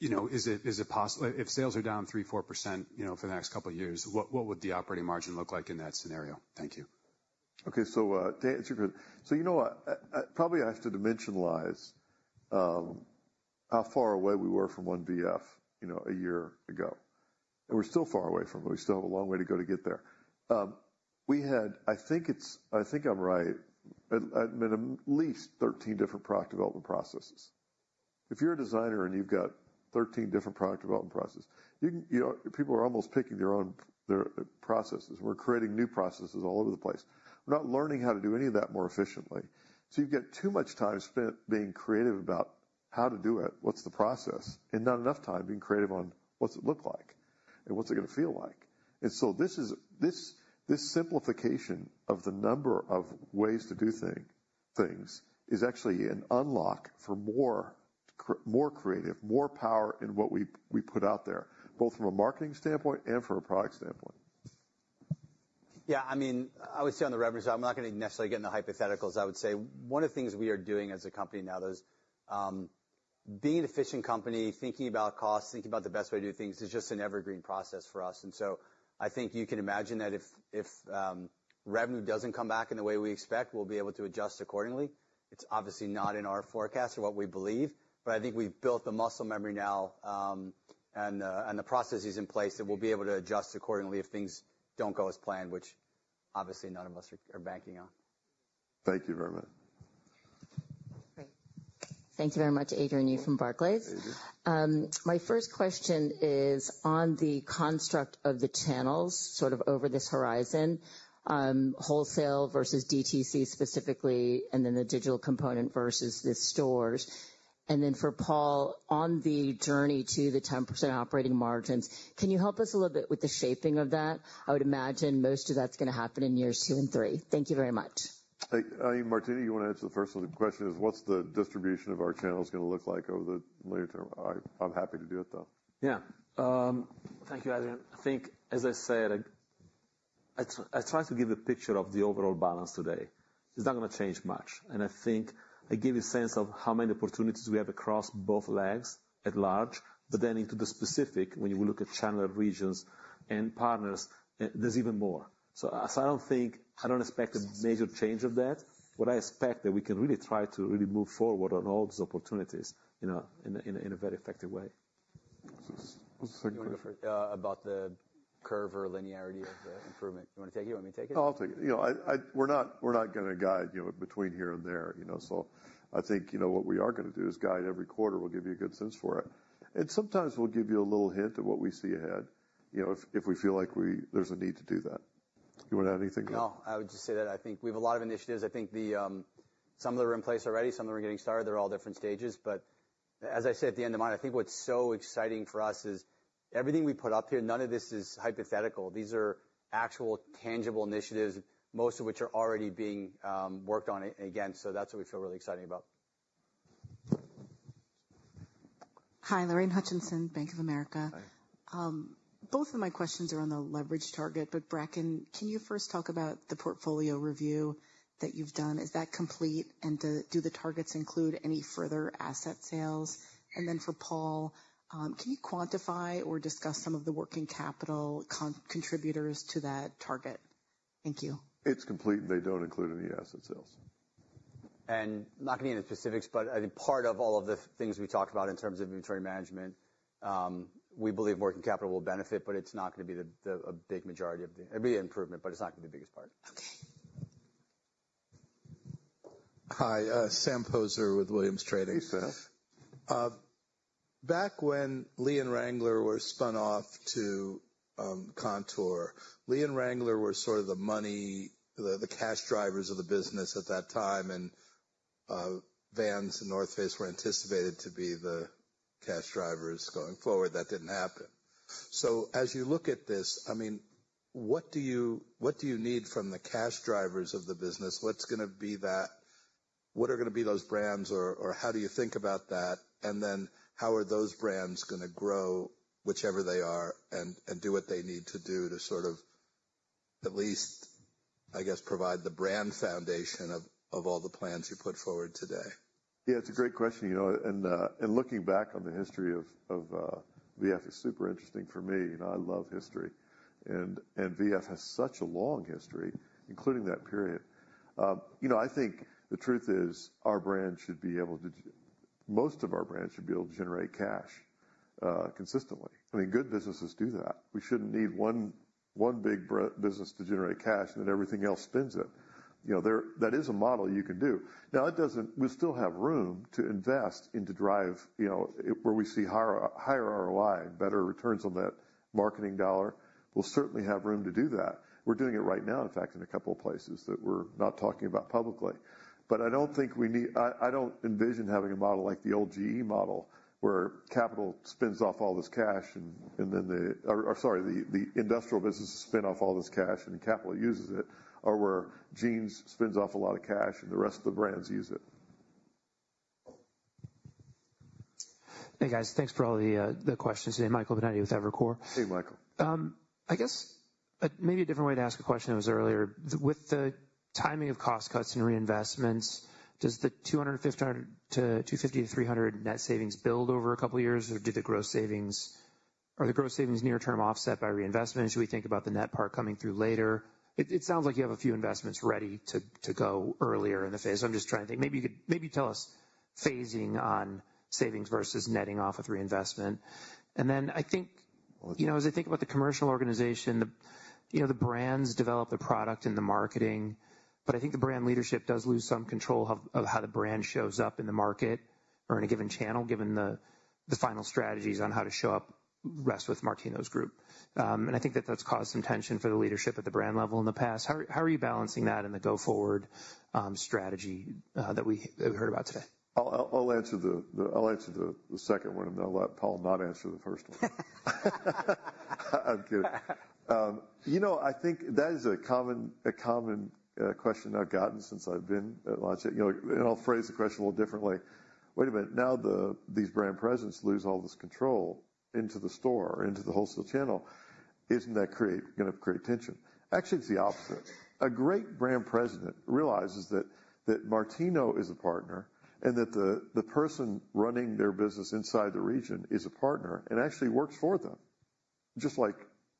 Is it possible if sales are down 3%, 4% for the next couple of years, what would the operating margin look like in that scenario? Thank you. Okay. So to answer your question, so you know what? Probably I have to dimensionalize how far away we were from One VF a year ago. And we're still far away from it. We still have a long way to go to get there. We had, I think I'm right, at least 13 different product development processes. If you're a designer and you've got 13 different product development processes, people are almost picking their own processes. We're creating new processes all over the place. We're not learning how to do any of that more efficiently. So you've got too much time spent being creative about how to do it, what's the process, and not enough time being creative on what's it look like and what's it going to feel like. This simplification of the number of ways to do things is actually an unlock for more creative, more power in what we put out there, both from a marketing standpoint and from a product standpoint. Yeah. I mean, I would say on the revenue side, I'm not going to necessarily get into hypotheticals. I would say one of the things we are doing as a company now is being an efficient company, thinking about costs, thinking about the best way to do things is just an evergreen process for us. And so I think you can imagine that if revenue doesn't come back in the way we expect, we'll be able to adjust accordingly. It's obviously not in our forecast or what we believe, but I think we've built the muscle memory now and the processes in place that we'll be able to adjust accordingly if things don't go as planned, which obviously none of us are banking on. Thank you very much. Great. Thank you very much, Adrienne, you're from Barclays. Thank you. My first question is on the construct of the channels sort of over this horizon, wholesale versus DTC specifically, and then the digital component versus the stores. And then for Paul, on the journey to the 10% operating margins, can you help us a little bit with the shaping of that? I would imagine most of that's going to happen in years two and three. Thank you very much. Hey, Martino, you want to answer the first one? The question is, what's the distribution of our channels going to look like over the near term? I'm happy to do it, though. Yeah. Thank you, Adrienne. I think, as I said, I tried to give a picture of the overall balance today. It's not going to change much. And I think I gave you a sense of how many opportunities we have across both legs at large, but then into the specific, when you look at channel regions and partners, there's even more. So I don't think I expect a major change of that. What I expect is that we can really try to move forward on all these opportunities in a very effective way. What's the second question? About the curve or linearity of the improvement. You want to take it? You want me to take it? I'll take it. We're not going to guide you between here and there. So I think what we are going to do is guide every quarter. We'll give you a good sense for it. And sometimes we'll give you a little hint of what we see ahead if we feel like there's a need to do that. You want to add anything? No. I would just say that I think we have a lot of initiatives. I think some of them are in place already. Some of them are getting started. They're all different stages. But as I said at the end of mine, I think what's so exciting for us is everything we put up here, none of this is hypothetical. These are actual tangible initiatives, most of which are already being worked on again. So that's what we feel really excited about. Hi, Lorraine Hutchinson, Bank of America. Both of my questions are on the leverage target, but Bracken, can you first talk about the portfolio review that you've done? Is that complete? And do the targets include any further asset sales? And then for Paul, can you quantify or discuss some of the working capital contributors to that target? Thank you. It's complete, and they don't include any asset sales. Not going to be in the specifics, but I think part of all of the things we talked about in terms of inventory management, we believe working capital will benefit, but it's not going to be a big majority of the—it'll be an improvement, but it's not going to be the biggest part. Okay. Hi. Sam Poser with Williams Trading. Hey, Sam. Back when Lee and Wrangler were spun off to Kontoor, Lee and Wrangler were sort of the money, the cash drivers of the business at that time. And Vans and North Face were anticipated to be the cash drivers going forward. That didn't happen. So as you look at this, I mean, what do you need from the cash drivers of the business? What's going to be that? What are going to be those brands, or how do you think about that? And then how are those brands going to grow, whichever they are, and do what they need to do to sort of at least, I guess, provide the brand foundation of all the plans you put forward today? Yeah, it's a great question. And looking back on the history of VF is super interesting for me. I love history. And VF has such a long history, including that period. I think the truth is our brand should be able to, most of our brand should be able to generate cash consistently. I mean, good businesses do that. We shouldn't need one big business to generate cash and then everything else spins it. That is a model you can do. Now, we still have room to invest into drive where we see higher ROI and better returns on that marketing dollar. We'll certainly have room to do that. We're doing it right now, in fact, in a couple of places that we're not talking about publicly. But I don't think we need. I don't envision having a model like the old GE model where capital spins off all this cash and then the industrial business spins off all this cash and capital uses it, or where Jeans spins off a lot of cash and the rest of the brands use it. Hey, guys. Thanks for all the questions today. Michael Binetti with Evercore. Hey, Michael. I guess maybe a different way to ask a question that was earlier. With the timing of cost cuts and reinvestments, does the 250-300 net savings build over a couple of years, or are the gross savings near-term offset by reinvestment? Should we think about the net part coming through later? It sounds like you have a few investments ready to go earlier in the phase. I'm just trying to think. Maybe you could tell us phasing on savings versus netting off with reinvestment. And then as I think about the commercial organization, the brands develop the product and the marketing, but I think the brand leadership does lose some control of how the brand shows up in the market or in a given channel, given the final strategies on how to show up rests with Martino's group. And I think that that's caused some tension for the leadership at the brand level in the past. How are you balancing that in the go-forward strategy that we heard about today? I'll answer the second one, and I'll let Paul not answer the first one. I'm kidding. I think that is a common question I've gotten since I've been at Logitech. And I'll phrase the question a little differently. Wait a minute. Now these brand presidents lose all this control into the store or into the wholesale channel. Isn't that going to create tension? Actually, it's the opposite. A great brand president realizes that Martino is a partner and that the person running their business inside the region is a partner and actually works for them, just like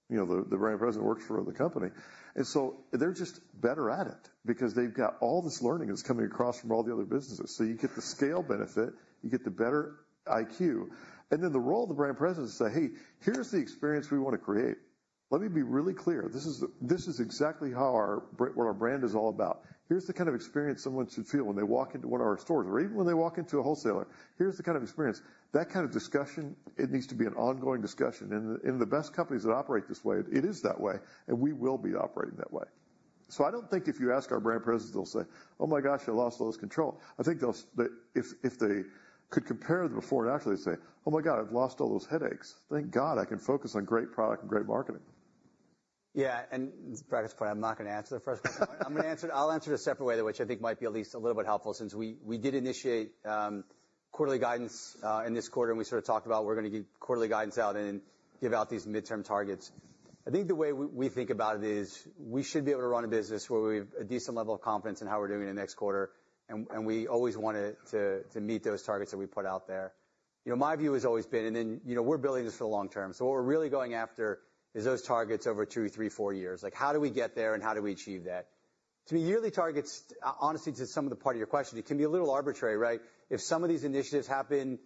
the brand president works for the company. And so they're just better at it because they've got all this learning that's coming across from all the other businesses. So you get the scale benefit. You get the better IQ. And then the role of the brand president is to say, "Hey, here's the experience we want to create. Let me be really clear. This is exactly what our brand is all about. Here's the kind of experience someone should feel when they walk into one of our stores or even when they walk into a wholesaler. Here's the kind of experience." That kind of discussion, it needs to be an ongoing discussion. And in the best companies that operate this way, it is that way. And we will be operating that way. So I don't think if you ask our brand presidents, they'll say, "Oh my gosh, I lost all this control." I think if they could compare the before and after, they'd say, "Oh my God, I've lost all those headaches. Thank God I can focus on great product and great marketing. Yeah. And to Bracken's point, I'm not going to answer the first question. I'm going to answer it. I'll answer it a separate way, which I think might be at least a little bit helpful since we did initiate quarterly guidance in this quarter, and we sort of talked about we're going to give quarterly guidance out and give out these midterm targets. I think the way we think about it is we should be able to run a business where we have a decent level of confidence in how we're doing in the next quarter. And we always want to meet those targets that we put out there. My view has always been, and then we're building this for the long term. So what we're really going after is those targets over two, three, four years. How do we get there and how do we achieve that? To me, yearly targets, honestly, to some of the part of your question, it can be a little arbitrary, right? If some of these initiatives happen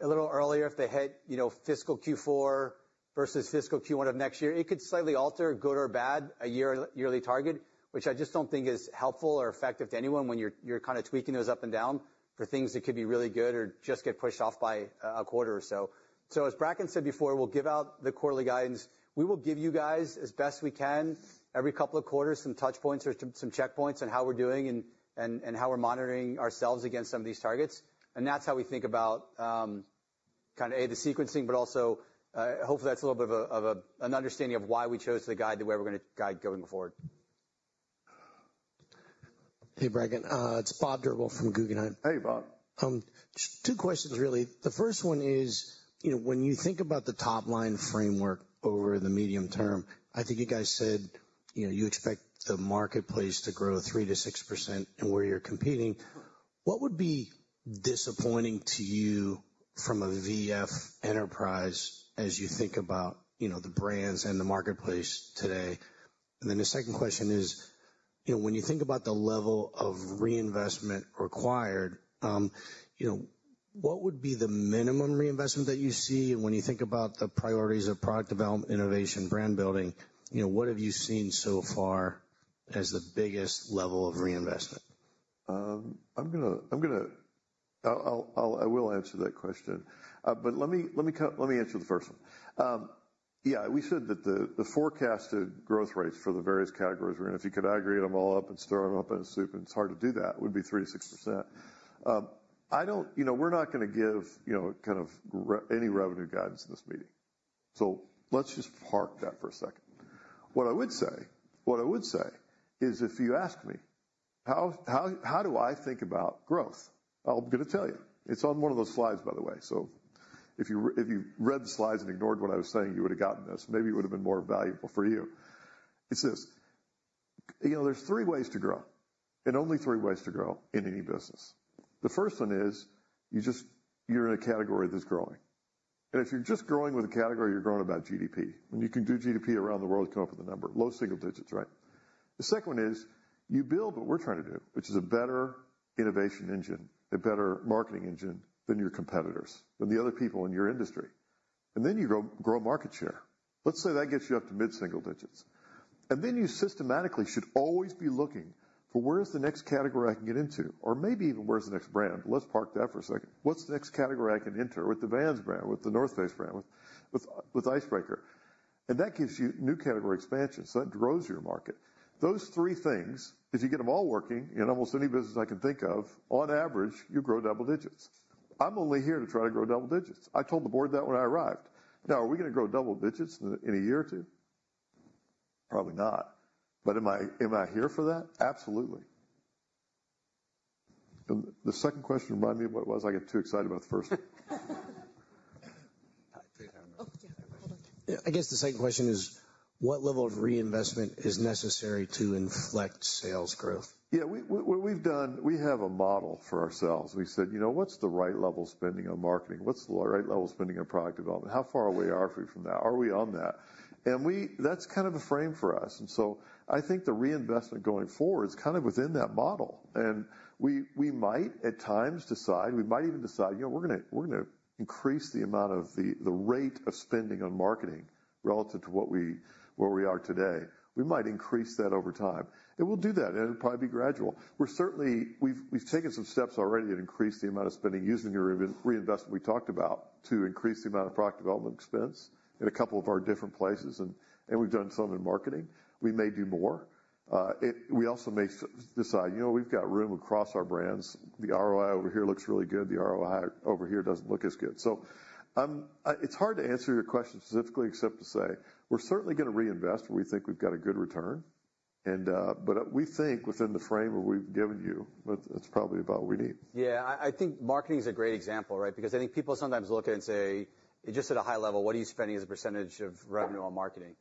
a little earlier, if they hit fiscal Q4 versus fiscal Q1 of next year, it could slightly alter, good or bad, a yearly target, which I just don't think is helpful or effective to anyone when you're kind of tweaking those up and down for things that could be really good or just get pushed off by a quarter or so. As Bracken said before, we'll give out the quarterly guidance. We will give you guys, as best we can, every couple of quarters, some touch points or some checkpoints on how we're doing and how we're monitoring ourselves against some of these targets. That's how we think about kind of, A, the sequencing, but also hopefully that's a little bit of an understanding of why we chose to guide the way we're going to guide going forward. Hey, Bracken. It's Bob Drbul from Guggenheim. Hey, Bob. Two questions, really. The first one is, when you think about the top-line framework over the medium term, I think you guys said you expect the marketplace to grow 3%-6% and where you're competing. What would be disappointing to you from a VF enterprise as you think about the brands and the marketplace today? And then the second question is, when you think about the level of reinvestment required, what would be the minimum reinvestment that you see? And when you think about the priorities of product development, innovation, brand building, what have you seen so far as the biggest level of reinvestment? I will answer that question. But let me answer the first one. Yeah. We said that the forecasted growth rates for the various categories we're in, if you could aggregate them all up and stir them up in a soup, and it's hard to do that, would be 3%-6%. We're not going to give kind of any revenue guidance in this meeting. So let's just park that for a second. What I would say, what I would say is if you ask me, how do I think about growth? I'm going to tell you. It's on one of those slides, by the way. So if you read the slides and ignored what I was saying, you would have gotten this. Maybe it would have been more valuable for you. It's this. There's three ways to grow, and only three ways to grow in any business. The first one is you're in a category that's growing. And if you're just growing with a category, you're growing about GDP. And you can do GDP around the world, come up with a number, low single digits, right? The second one is you build what we're trying to do, which is a better innovation engine, a better marketing engine than your competitors, than the other people in your industry. And then you grow market share. Let's say that gets you up to mid-single digits. And then you systematically should always be looking for where is the next category I can get into, or maybe even where's the next brand. Let's park that for a second. What's the next category I can enter with the Vans brand, with The North Face brand, with Icebreaker? And that gives you new category expansion. So that grows your market. Those three things, if you get them all working in almost any business I can think of, on average, you grow double digits. I'm only here to try to grow double digits. I told the board that when I arrived. Now, are we going to grow double digits in a year or two? Probably not. But am I here for that? Absolutely. The second question reminded me of what it was. I got too excited about the first one. I guess the second question is, what level of reinvestment is necessary to inflect sales growth? Yeah. What we've done, we have a model for ourselves. We said, "What's the right level of spending on marketing? What's the right level of spending on product development? How far away are we from that? Are we on that?" And that's kind of a frame for us. And so I think the reinvestment going forward is kind of within that model. And we might at times decide, we might even decide, "We're going to increase the amount of the rate of spending on marketing relative to where we are today." We might increase that over time. And we'll do that, and it'll probably be gradual. We've taken some steps already to increase the amount of spending using the reinvestment we talked about to increase the amount of product development expense in a couple of our different places. And we've done some in marketing. We may do more. We also may decide, "We've got room across our brands. The ROI over here looks really good. The ROI over here doesn't look as good." So it's hard to answer your question specifically except to say, "We're certainly going to reinvest where we think we've got a good return." But we think within the frame of what we've given you, that's probably about what we need. Yeah. I think marketing is a great example, right? Because I think people sometimes look at it and say, "Just at a high level, what are you spending as a percentage of revenue on marketing?"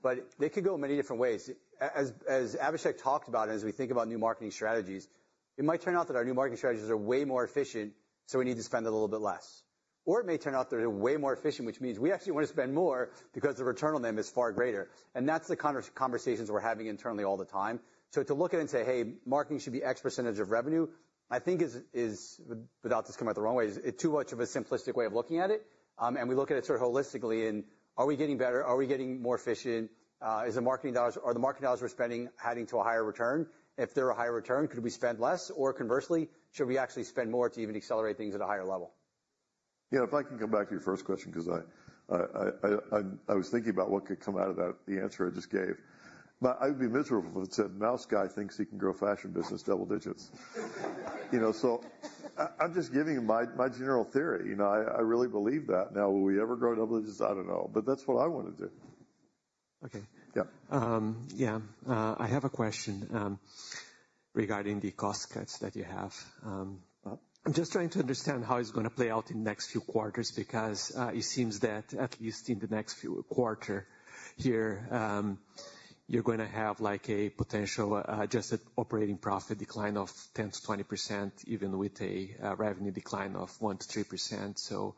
But they could go many different ways. As Abhishek talked about, and as we think about new marketing strategies, it might turn out that our new marketing strategies are way more efficient, so we need to spend a little bit less. Or it may turn out they're way more efficient, which means we actually want to spend more because the return on them is far greater. And that's the conversations we're having internally all the time. So to look at it and say, "Hey, marketing should be X percentage of revenue," I think is, without this coming out the wrong way, too much of a simplistic way of looking at it. We look at it sort of holistically. Are we getting better? Are we getting more efficient? Are the marketing dollars we're spending heading to a higher return? If they're a higher return, could we spend less? Or conversely, should we actually spend more to even accelerate things at a higher level? Yeah. If I can come back to your first question, because I was thinking about what could come out of the answer I just gave. I would be miserable if it said, "Mouse guy thinks he can grow a fashion business double digits." So I'm just giving you my general theory. I really believe that. Now, will we ever grow double digits? I don't know. But that's what I want to do. Okay. Yeah. I have a question regarding the cost cuts that you have. I'm just trying to understand how it's going to play out in the next few quarters, because it seems that at least in the next few quarters here, you're going to have a potential adjusted operating profit decline of 10%-20%, even with a revenue decline of 1%-3%. So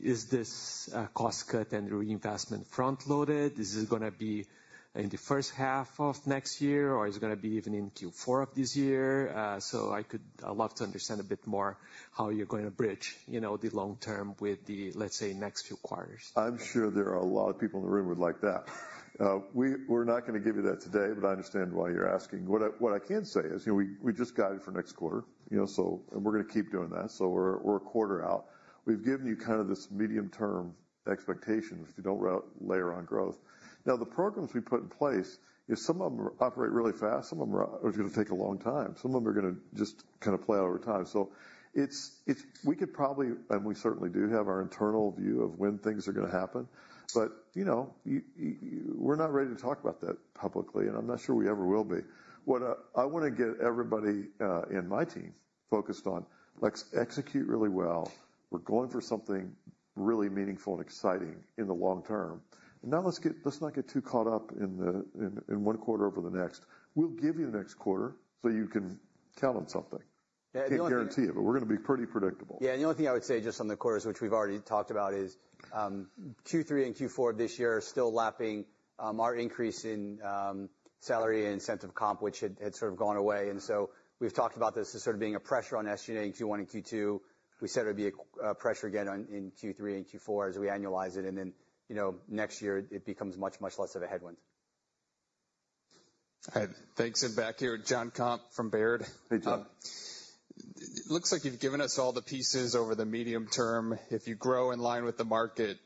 is this cost cut and reinvestment front-loaded? Is it going to be in the first half of next year, or is it going to be even in Q4 of this year? So I'd love to understand a bit more how you're going to bridge the long term with the, let's say, next few quarters. I'm sure there are a lot of people in the room who would like that. We're not going to give you that today, but I understand why you're asking. What I can say is we just got it for next quarter, and we're going to keep doing that. So we're a quarter out. We've given you kind of this medium-term expectation if you don't layer on growth. Now, the programs we put in place, if some of them operate really fast, some of them are going to take a long time. Some of them are going to just kind of play out over time. So we could probably, and we certainly do have our internal view of when things are going to happen. But we're not ready to talk about that publicly, and I'm not sure we ever will be. What I want to get everybody in my team focused on, let's execute really well. We're going for something really meaningful and exciting in the long term, and now let's not get too caught up in one quarter over the next. We'll give you the next quarter so you can count on something. I can't guarantee it, but we're going to be pretty predictable. Yeah. And the only thing I would say just on the quarters, which we've already talked about, is Q3 and Q4 of this year are still lapping our increase in salary and incentive comp, which had sort of gone away. And so we've talked about this as sort of being a pressure on SG&A in Q1 and Q2. We said it would be a pressure again in Q3 and Q4 as we annualize it. And then next year, it becomes much, much less of a headwind. Thanks. And back here, Jonathan Komp from Baird. Hey, John. Looks like you've given us all the pieces over the medium term. If you grow in line with the market,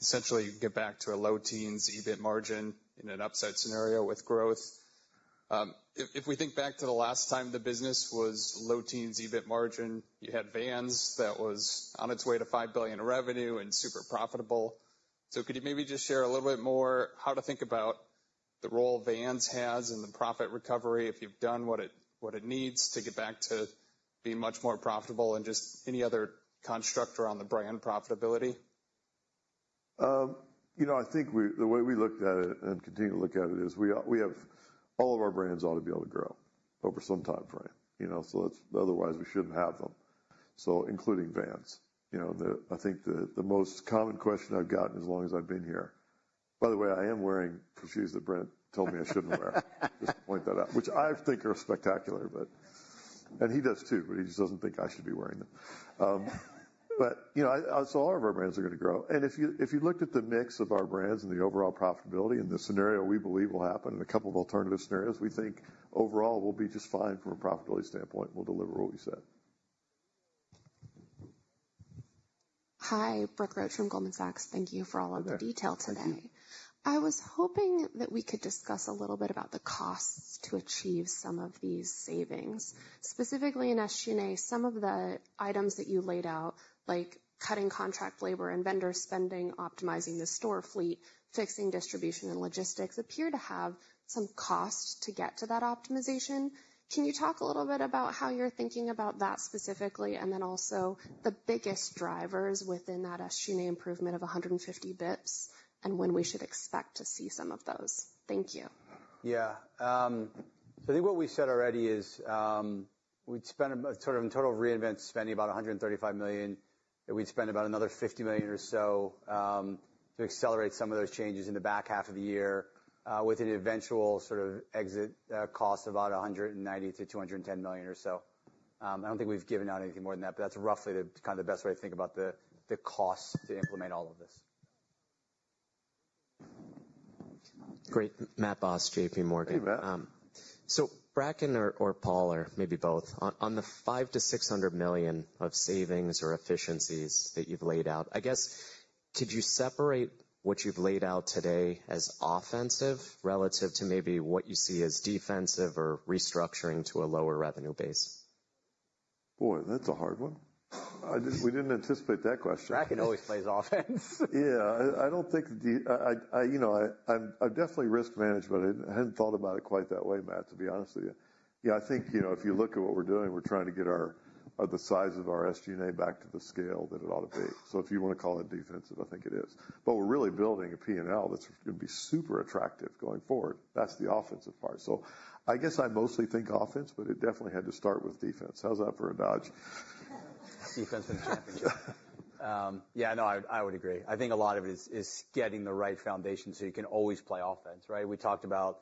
essentially you can get back to a low teens EBIT margin in an upside scenario with growth. If we think back to the last time the business was low teens EBIT margin, you had Vans that was on its way to $5 billion in revenue and super profitable. So could you maybe just share a little bit more how to think about the role Vans has in the profit recovery if you've done what it needs to get back to being much more profitable and just any other construct around the brand profitability? I think the way we looked at it and continue to look at it is we have all of our brands ought to be able to grow over some time frame, so otherwise, we shouldn't have them, including Vans. I think the most common question I've gotten as long as I've been here, by the way, I am wearing the shoes that Brent told me I shouldn't wear. Just to point that out, which I think are spectacular, but he does too, but he just doesn't think I should be wearing them, but so all of our brands are going to grow, and if you looked at the mix of our brands and the overall profitability and the scenario we believe will happen and a couple of alternative scenarios, we think overall we'll be just fine from a profitability standpoint. We'll deliver what we said. Hi, Brooke Roach from Goldman Sachs. Thank you for all of the detail today. I was hoping that we could discuss a little bit about the costs to achieve some of these savings. Specifically in SG&A, some of the items that you laid out, like cutting contract labor and vendor spending, optimizing the store fleet, fixing distribution and logistics, appear to have some cost to get to that optimization. Can you talk a little bit about how you're thinking about that specifically, and then also the biggest drivers within that SG&A improvement of 150 basis points and when we should expect to see some of those? Thank you. Yeah, so I think what we said already is we'd spend sort of in total Reinvent spending about $135 million. We'd spend about another $50 million or so to accelerate some of those changes in the back half of the year with an eventual sort of exit cost of about $190 million-$210 million or so. I don't think we've given out anything more than that, but that's roughly kind of the best way to think about the costs to implement all of this. Great. Matt Boss, J.P. Morgan. Hey, Matt. So Bracken or Paul, or maybe both, on the $500-$600 million of savings or efficiencies that you've laid out, I guess, could you separate what you've laid out today as offensive relative to maybe what you see as defensive or restructuring to a lower revenue base? Boy, that's a hard one. We didn't anticipate that question. Bracken always plays offense. Yeah. I don't think it's definitely risk management. I hadn't thought about it quite that way, Matt, to be honest with you. I think if you look at what we're doing, we're trying to get the size of our SG&A back to the scale that it ought to be. So if you want to call it defensive, I think it is. But we're really building a P&L that's going to be super attractive going forward. That's the offensive part. So I guess I mostly think offense, but it definitely had to start with defense. How's that for a dodge? Defense and championship. Yeah, no, I would agree. I think a lot of it is getting the right foundation so you can always play offense, right? We talked about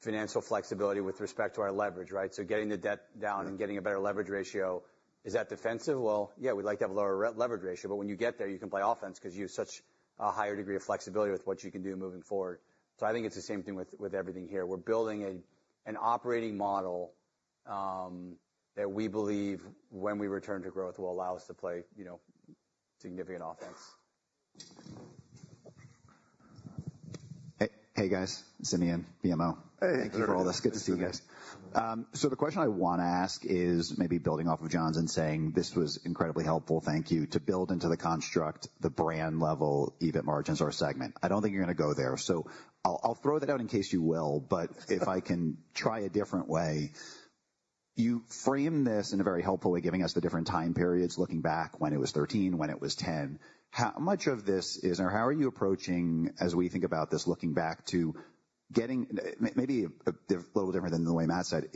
financial flexibility with respect to our leverage, right? So getting the debt down and getting a better leverage ratio. Is that defensive? Well, yeah, we'd like to have a lower leverage ratio. But when you get there, you can play offense because you have such a higher degree of flexibility with what you can do moving forward. So I think it's the same thing with everything here. We're building an operating model that we believe when we return to growth will allow us to play significant offense. Hey, guys. Simeon, BMO. Hey, thank you. Thank you for all this. Good to see you guys. So the question I want to ask is maybe building off of John's and saying, "This was incredibly helpful. Thank you," to build into the construct, the brand level, EBIT margins or segment. I don't think you're going to go there. So I'll throw that out in case you will. But if I can try a different way, you frame this in a very helpful way, giving us the different time periods, looking back when it was 13, when it was 10. How much of this is, or how are you approaching, as we think about this, looking back to getting maybe a little different than the way Matt said,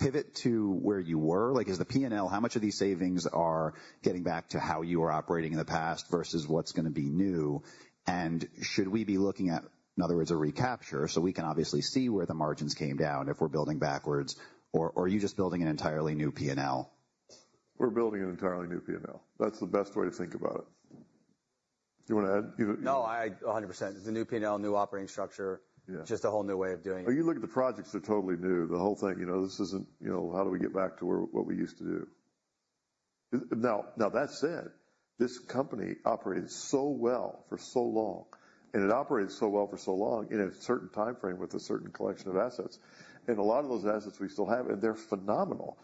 pivot to where you were? Like, is the P&L, how much of these savings are getting back to how you were operating in the past versus what's going to be new? And should we be looking at, in other words, a recapture so we can obviously see where the margins came down if we're building backwards, or are you just building an entirely new P&L? We're building an entirely new P&L. That's the best way to think about it. Do you want to add? No, 100%. The new P&L, new operating structure, just a whole new way of doing it. You look at the projects that are totally new, the whole thing; this isn't how do we get back to what we used to do? Now, that said, this company operated so well for so long, and it operated so well for so long in a certain time frame with a certain collection of assets, and a lot of those assets we still have, and they're phenomenal,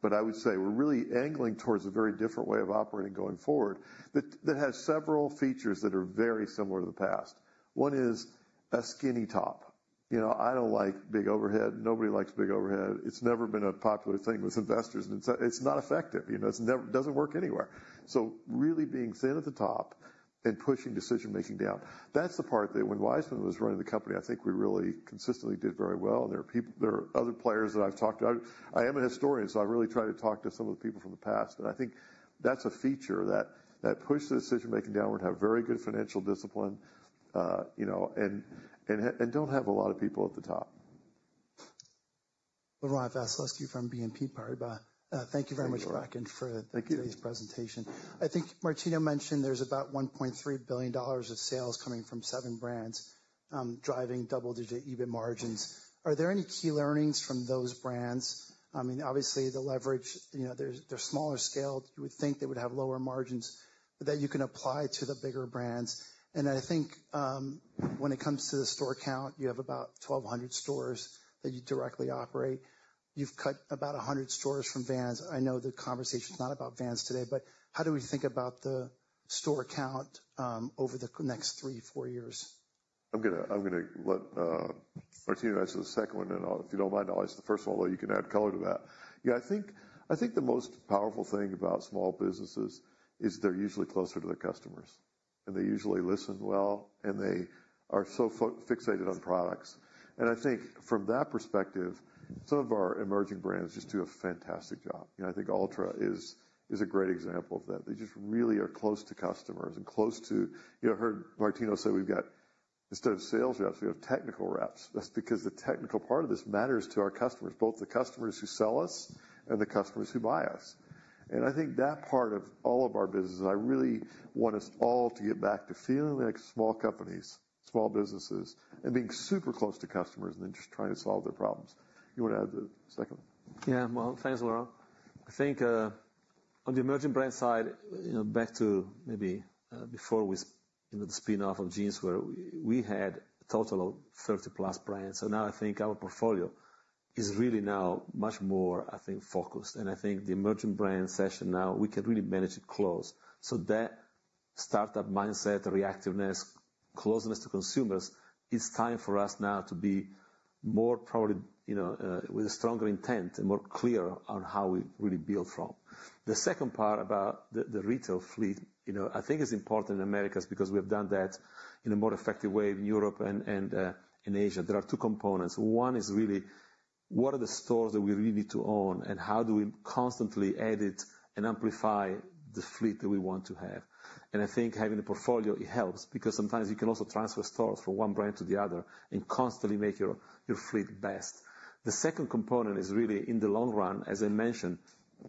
but I would say we're really angling towards a very different way of operating going forward that has several features that are very similar to the past. One is a skinny top. I don't like big overhead. Nobody likes big overhead. It's never been a popular thing with investors, and it's not effective. It doesn't work anywhere. So really being thin at the top and pushing decision-making down, that's the part that when Wiseman was running the company, I think we really consistently did very well. And there are other players that I've talked to. I am a historian, so I really try to talk to some of the people from the past. And I think that's a feature that pushed the decision-making downward to have very good financial discipline and don't have a lot of people at the top. We're on our last question from BNP Paribas. Thank you very much, Bracken, for today's presentation. I think Martino mentioned there's about $1.3 billion of sales coming from seven brands driving double-digit EBIT margins. Are there any key learnings from those brands? I mean, obviously, the leverage, they're smaller scale. You would think they would have lower margins that you can apply to the bigger brands. And I think when it comes to the store count, you have about 1,200 stores that you directly operate. You've cut about 100 stores from Vans. I know the conversation is not about Vans today, but how do we think about the store count over the next three, four years? I'm going to let Martino answer the second one, and if you don't mind, I'll answer the first one, although you can add color to that. Yeah, I think the most powerful thing about small businesses is they're usually closer to their customers, and they usually listen well, and they are so fixated on products, and I think from that perspective, some of our emerging brands just do a fantastic job. I think Altra is a great example of that. They just really are close to customers and close to, you heard Martino say, we've got, instead of sales reps, we have technical reps. That's because the technical part of this matters to our customers, both the customers who sell us and the customers who buy us. I think that part of all of our businesses, I really want us all to get back to feeling like small companies, small businesses, and being super close to customers and then just trying to solve their problems. You want to add the second one? Yeah. Well, thanks, Lorraine. I think on the emerging brand side, back to maybe before with the spin-off of Jeans, where we had a total of 30-plus brands. So now I think our portfolio is really now much more, I think, focused, and I think the emerging brand session now, we can really manage it close. So that startup mindset, reactiveness, closeness to consumers, it's time for us now to be more probably with a stronger intent and more clear on how we really build from. The second part about the retail fleet, I think it's important in America because we have done that in a more effective way in Europe and in Asia. There are two components. One is really what are the stores that we really need to own and how do we constantly edit and amplify the fleet that we want to have. And I think having a portfolio, it helps because sometimes you can also transfer stores from one brand to the other and constantly make your fleet best. The second component is really in the long run, as I mentioned,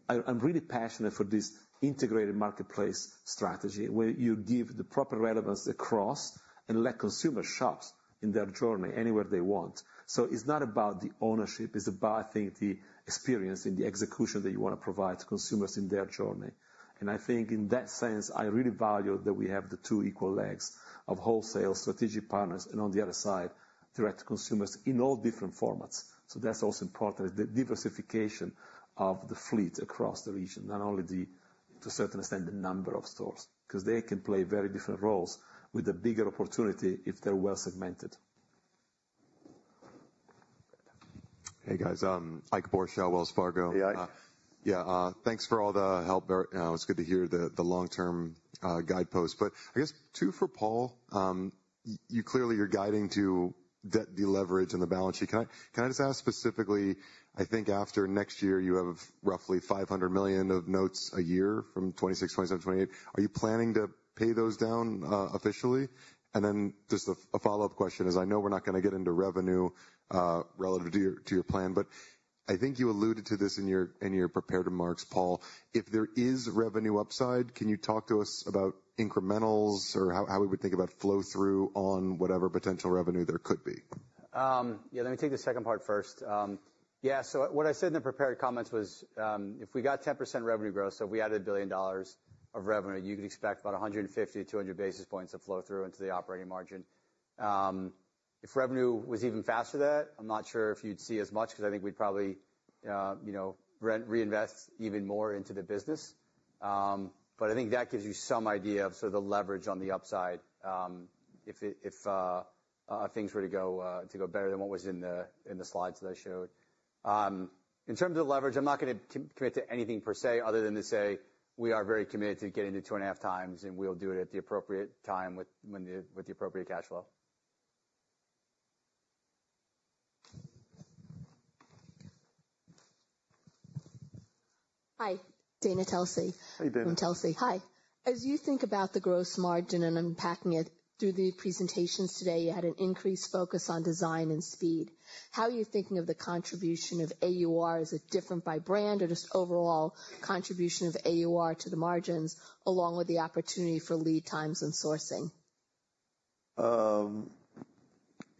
I'm really passionate for this integrated marketplace strategy where you give the proper relevance across and let consumers shop in their journey anywhere they want. So it's not about the ownership. It's about, I think, the experience and the execution that you want to provide to consumers in their journey. And I think in that sense, I really value that we have the two equal legs of wholesale strategic partners and on the other side, direct to consumers in all different formats. So that's also important, the diversification of the fleet across the region, not only to a certain extent the number of stores because they can play very different roles with a bigger opportunity if they're well segmented. Hey, guys. Ike Boruchow, Wells Fargo. Hey, Ike. Yeah. Thanks for all the help. It's good to hear the long-term guidepost. But I guess two for Paul. Clearly, you're guiding to debt deleverage and the balance sheet. Can I just ask specifically, I think after next year, you have roughly $500 million of notes a year from 2026, 2027, 2028. Are you planning to pay those down officially? And then just a follow-up question is I know we're not going to get into revenue relative to your plan, but I think you alluded to this in your prepared remarks, Paul. If there is revenue upside, can you talk to us about incrementals or how we would think about flow-through on whatever potential revenue there could be? Yeah, let me take the second part first. Yeah. So what I said in the prepared comments was if we got 10% revenue growth, so if we added $1 billion of revenue, you could expect about 150-200 basis points of flow-through into the operating margin. If revenue was even faster than that, I'm not sure if you'd see as much because I think we'd probably reinvest even more into the business. But I think that gives you some idea of sort of the leverage on the upside if things were to go better than what was in the slides that I showed. In terms of leverage, I'm not going to commit to anything per se other than to say we are very committed to getting to two and a half times, and we'll do it at the appropriate time with the appropriate cash flow. Hi, Dana Telsey. Hey, Dana. From Telsey. Hi. As you think about the gross margin and unpacking it through the presentations today, you had an increased focus on design and speed. How are you thinking of the contribution of AUR as a differentiator by brand or just overall contribution of AUR to the margins along with the opportunity for lead times and sourcing?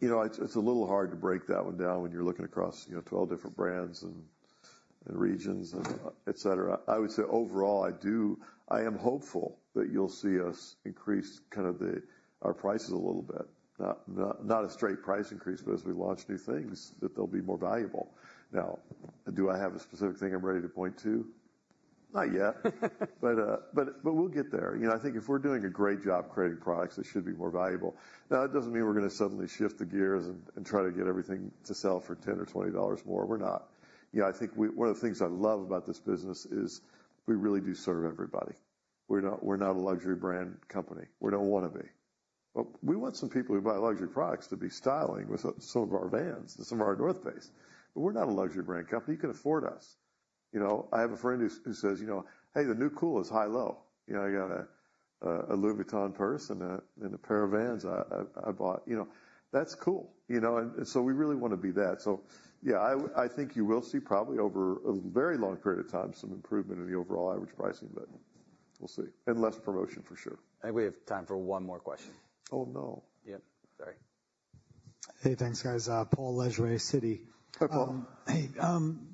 It's a little hard to break that one down when you're looking across 12 different brands and regions, etc. I would say overall, I am hopeful that you'll see us increase kind of our prices a little bit. Not a straight price increase, but as we launch new things, that they'll be more valuable. Now, do I have a specific thing I'm ready to point to? Not yet. But we'll get there. I think if we're doing a great job creating products, they should be more valuable. Now, it doesn't mean we're going to suddenly shift the gears and try to get everything to sell for $10 or $20 more. We're not. I think one of the things I love about this business is we really do serve everybody. We're not a luxury brand company. We don't want to be. But we want some people who buy luxury products to be styling with some of our Vans and some of our North Face. But we're not a luxury brand company. You can afford us. I have a friend who says, "Hey, the new cool is high low." You got a Louis Vuitton purse and a pair of Vans I bought. That's cool. And so we really want to be that. So yeah, I think you will see probably over a very long period of time some improvement in the overall average pricing, but we'll see. And less promotion for sure. I think we have time for one more question. Oh, no. Yep. Sorry. Hey, thanks, guys. Paul Lejuez, Citi. Hi, Paul. Hey.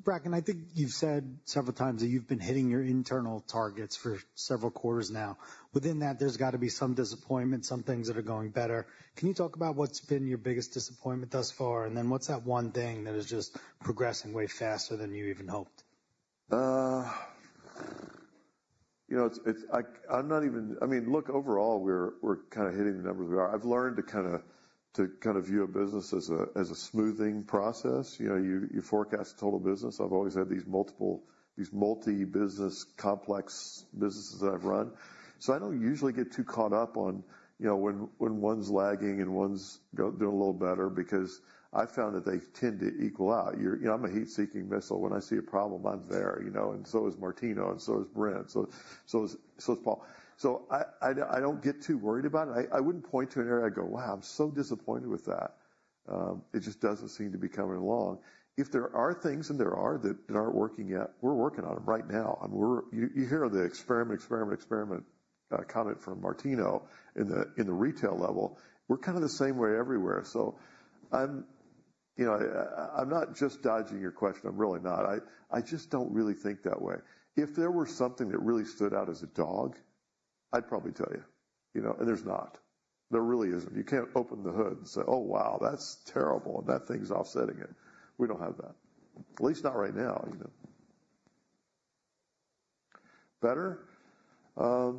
Bracken, I think you've said several times that you've been hitting your internal targets for several quarters now. Within that, there's got to be some disappointment, some things that are going better. Can you talk about what's been your biggest disappointment thus far? And then what's that one thing that is just progressing way faster than you even hoped? I mean, look, overall, we're kind of hitting the numbers we are. I've learned to kind of view a business as a smoothing process. You forecast total business. I've always had these multi-business complex businesses that I've run. So I don't usually get too caught up on when one's lagging and one's doing a little better because I found that they tend to equal out. I'm a heat-seeking missile. When I see a problem, I'm there, and so is Martino, and so is Brent, so is Paul. So I don't get too worried about it. I wouldn't point to an area. I'd go, "Wow, I'm so disappointed with that." It just doesn't seem to be coming along. If there are things, and there are, that aren't working yet, we're working on them right now. You hear the experiment, experiment, experiment comment from Martino in the retail level. We're kind of the same way everywhere. So I'm not just dodging your question. I'm really not. I just don't really think that way. If there were something that really stood out as a dog, I'd probably tell you. And there's not. There really isn't. You can't open the hood and say, "Oh, wow, that's terrible, and that thing's offsetting it." We don't have that. At least not right now. Better? I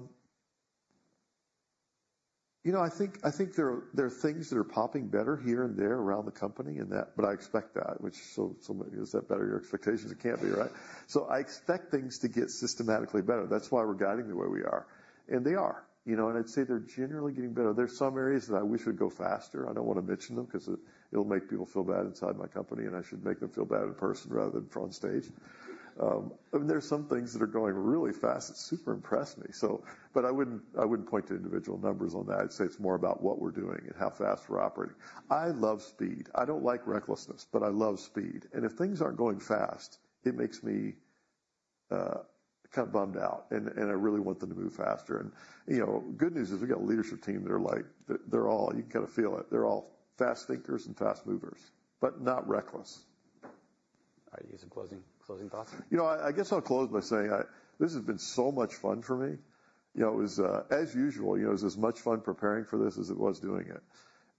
think there are things that are popping better here and there around the company and that, but I expect that. So is that better your expectations? It can't be, right? So I expect things to get systematically better. That's why we're guiding the way we are. And they are. And I'd say they're generally getting better. There's some areas that I wish would go faster. I don't want to mention them because it'll make people feel bad inside my company, and I should make them feel bad in person rather than on stage. I mean, there's some things that are going really fast. It's super impressed me, but I wouldn't point to individual numbers on that. I'd say it's more about what we're doing and how fast we're operating. I love speed. I don't like recklessness, but I love speed, and if things aren't going fast, it makes me kind of bummed out, and I really want them to move faster, and the good news is we've got a leadership team that are like, they're all, you can kind of feel it, they're all fast thinkers and fast movers, but not reckless. All right. You have some closing thoughts? I guess I'll close by saying this has been so much fun for me. It was, as usual, it was as much fun preparing for this as it was doing it.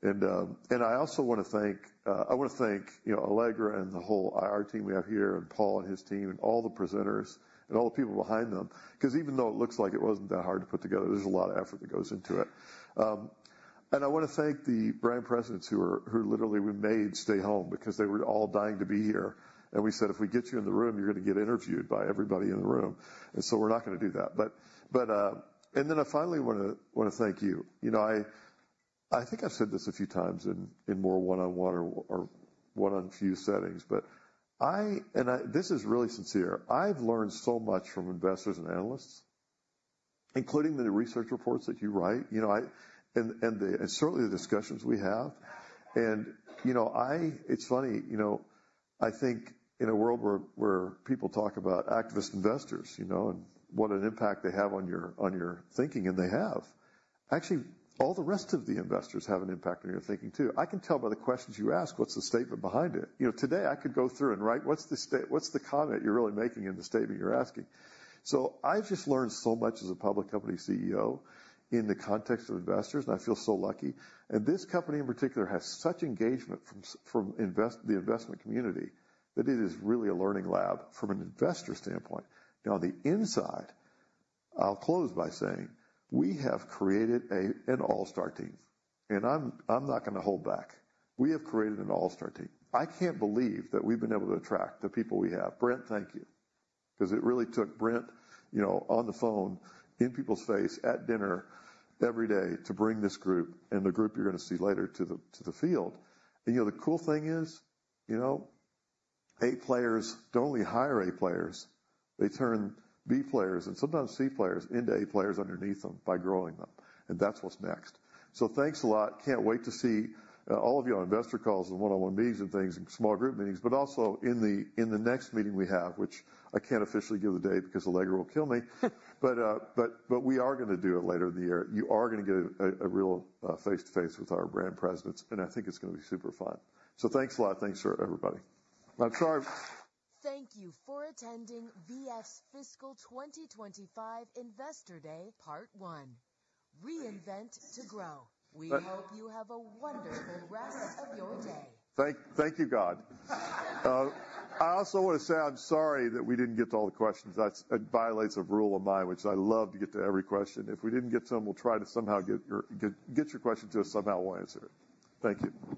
And I also want to thank, I want to thank Allegra and the whole IR team we have here and Paul and his team and all the presenters and all the people behind them because even though it looks like it wasn't that hard to put together, there's a lot of effort that goes into it. And I want to thank the brand presidents who literally we made stay home because they were all dying to be here. And we said, "If we get you in the room, you're going to get interviewed by everybody in the room." And so we're not going to do that. And then I finally want to thank you. I think I've said this a few times in more one-on-one or one-on-few settings, but this is really sincere. I've learned so much from investors and analysts, including the research reports that you write and certainly the discussions we have. And it's funny. I think in a world where people talk about activist investors and what an impact they have on your thinking, and they have, actually, all the rest of the investors have an impact on your thinking too. I can tell by the questions you ask what's the statement behind it. Today, I could go through and write, "What's the comment you're really making in the statement you're asking?" So I've just learned so much as a public company CEO in the context of investors, and I feel so lucky. This company in particular has such engagement from the investment community that it is really a learning lab from an investor standpoint. Now, on the inside, I'll close by saying we have created an All-Star team. I'm not going to hold back. We have created an All-Star team. I can't believe that we've been able to attract the people we have. Brent, thank you. Because it really took Brent on the phone in people's face at dinner every day to bring this group and the group you're going to see later to the field. The cool thing is A players don't only hire A players, they turn B players and sometimes C players into A players underneath them by growing them. That's what's next. Thanks a lot. Can't wait to see all of you on investor calls and one-on-one meetings and things and small group meetings, but also in the next meeting we have, which I can't officially give the date because Allegra will kill me, but we are going to do it later in the year. You are going to get a real face-to-face with our brand presidents, and I think it's going to be super fun, so thanks a lot. Thanks for everybody. I'm sorry. Thank you for attending VF's Fiscal 2025 Investor Day, Part One. Reinvent to grow. We hope you have a wonderful rest of your day. Thank you, God. I also want to say I'm sorry that we didn't get to all the questions. That violates a rule of mine, which I love to get to every question. If we didn't get to them, we'll try to somehow get your question to us, somehow we'll answer it. Thank you.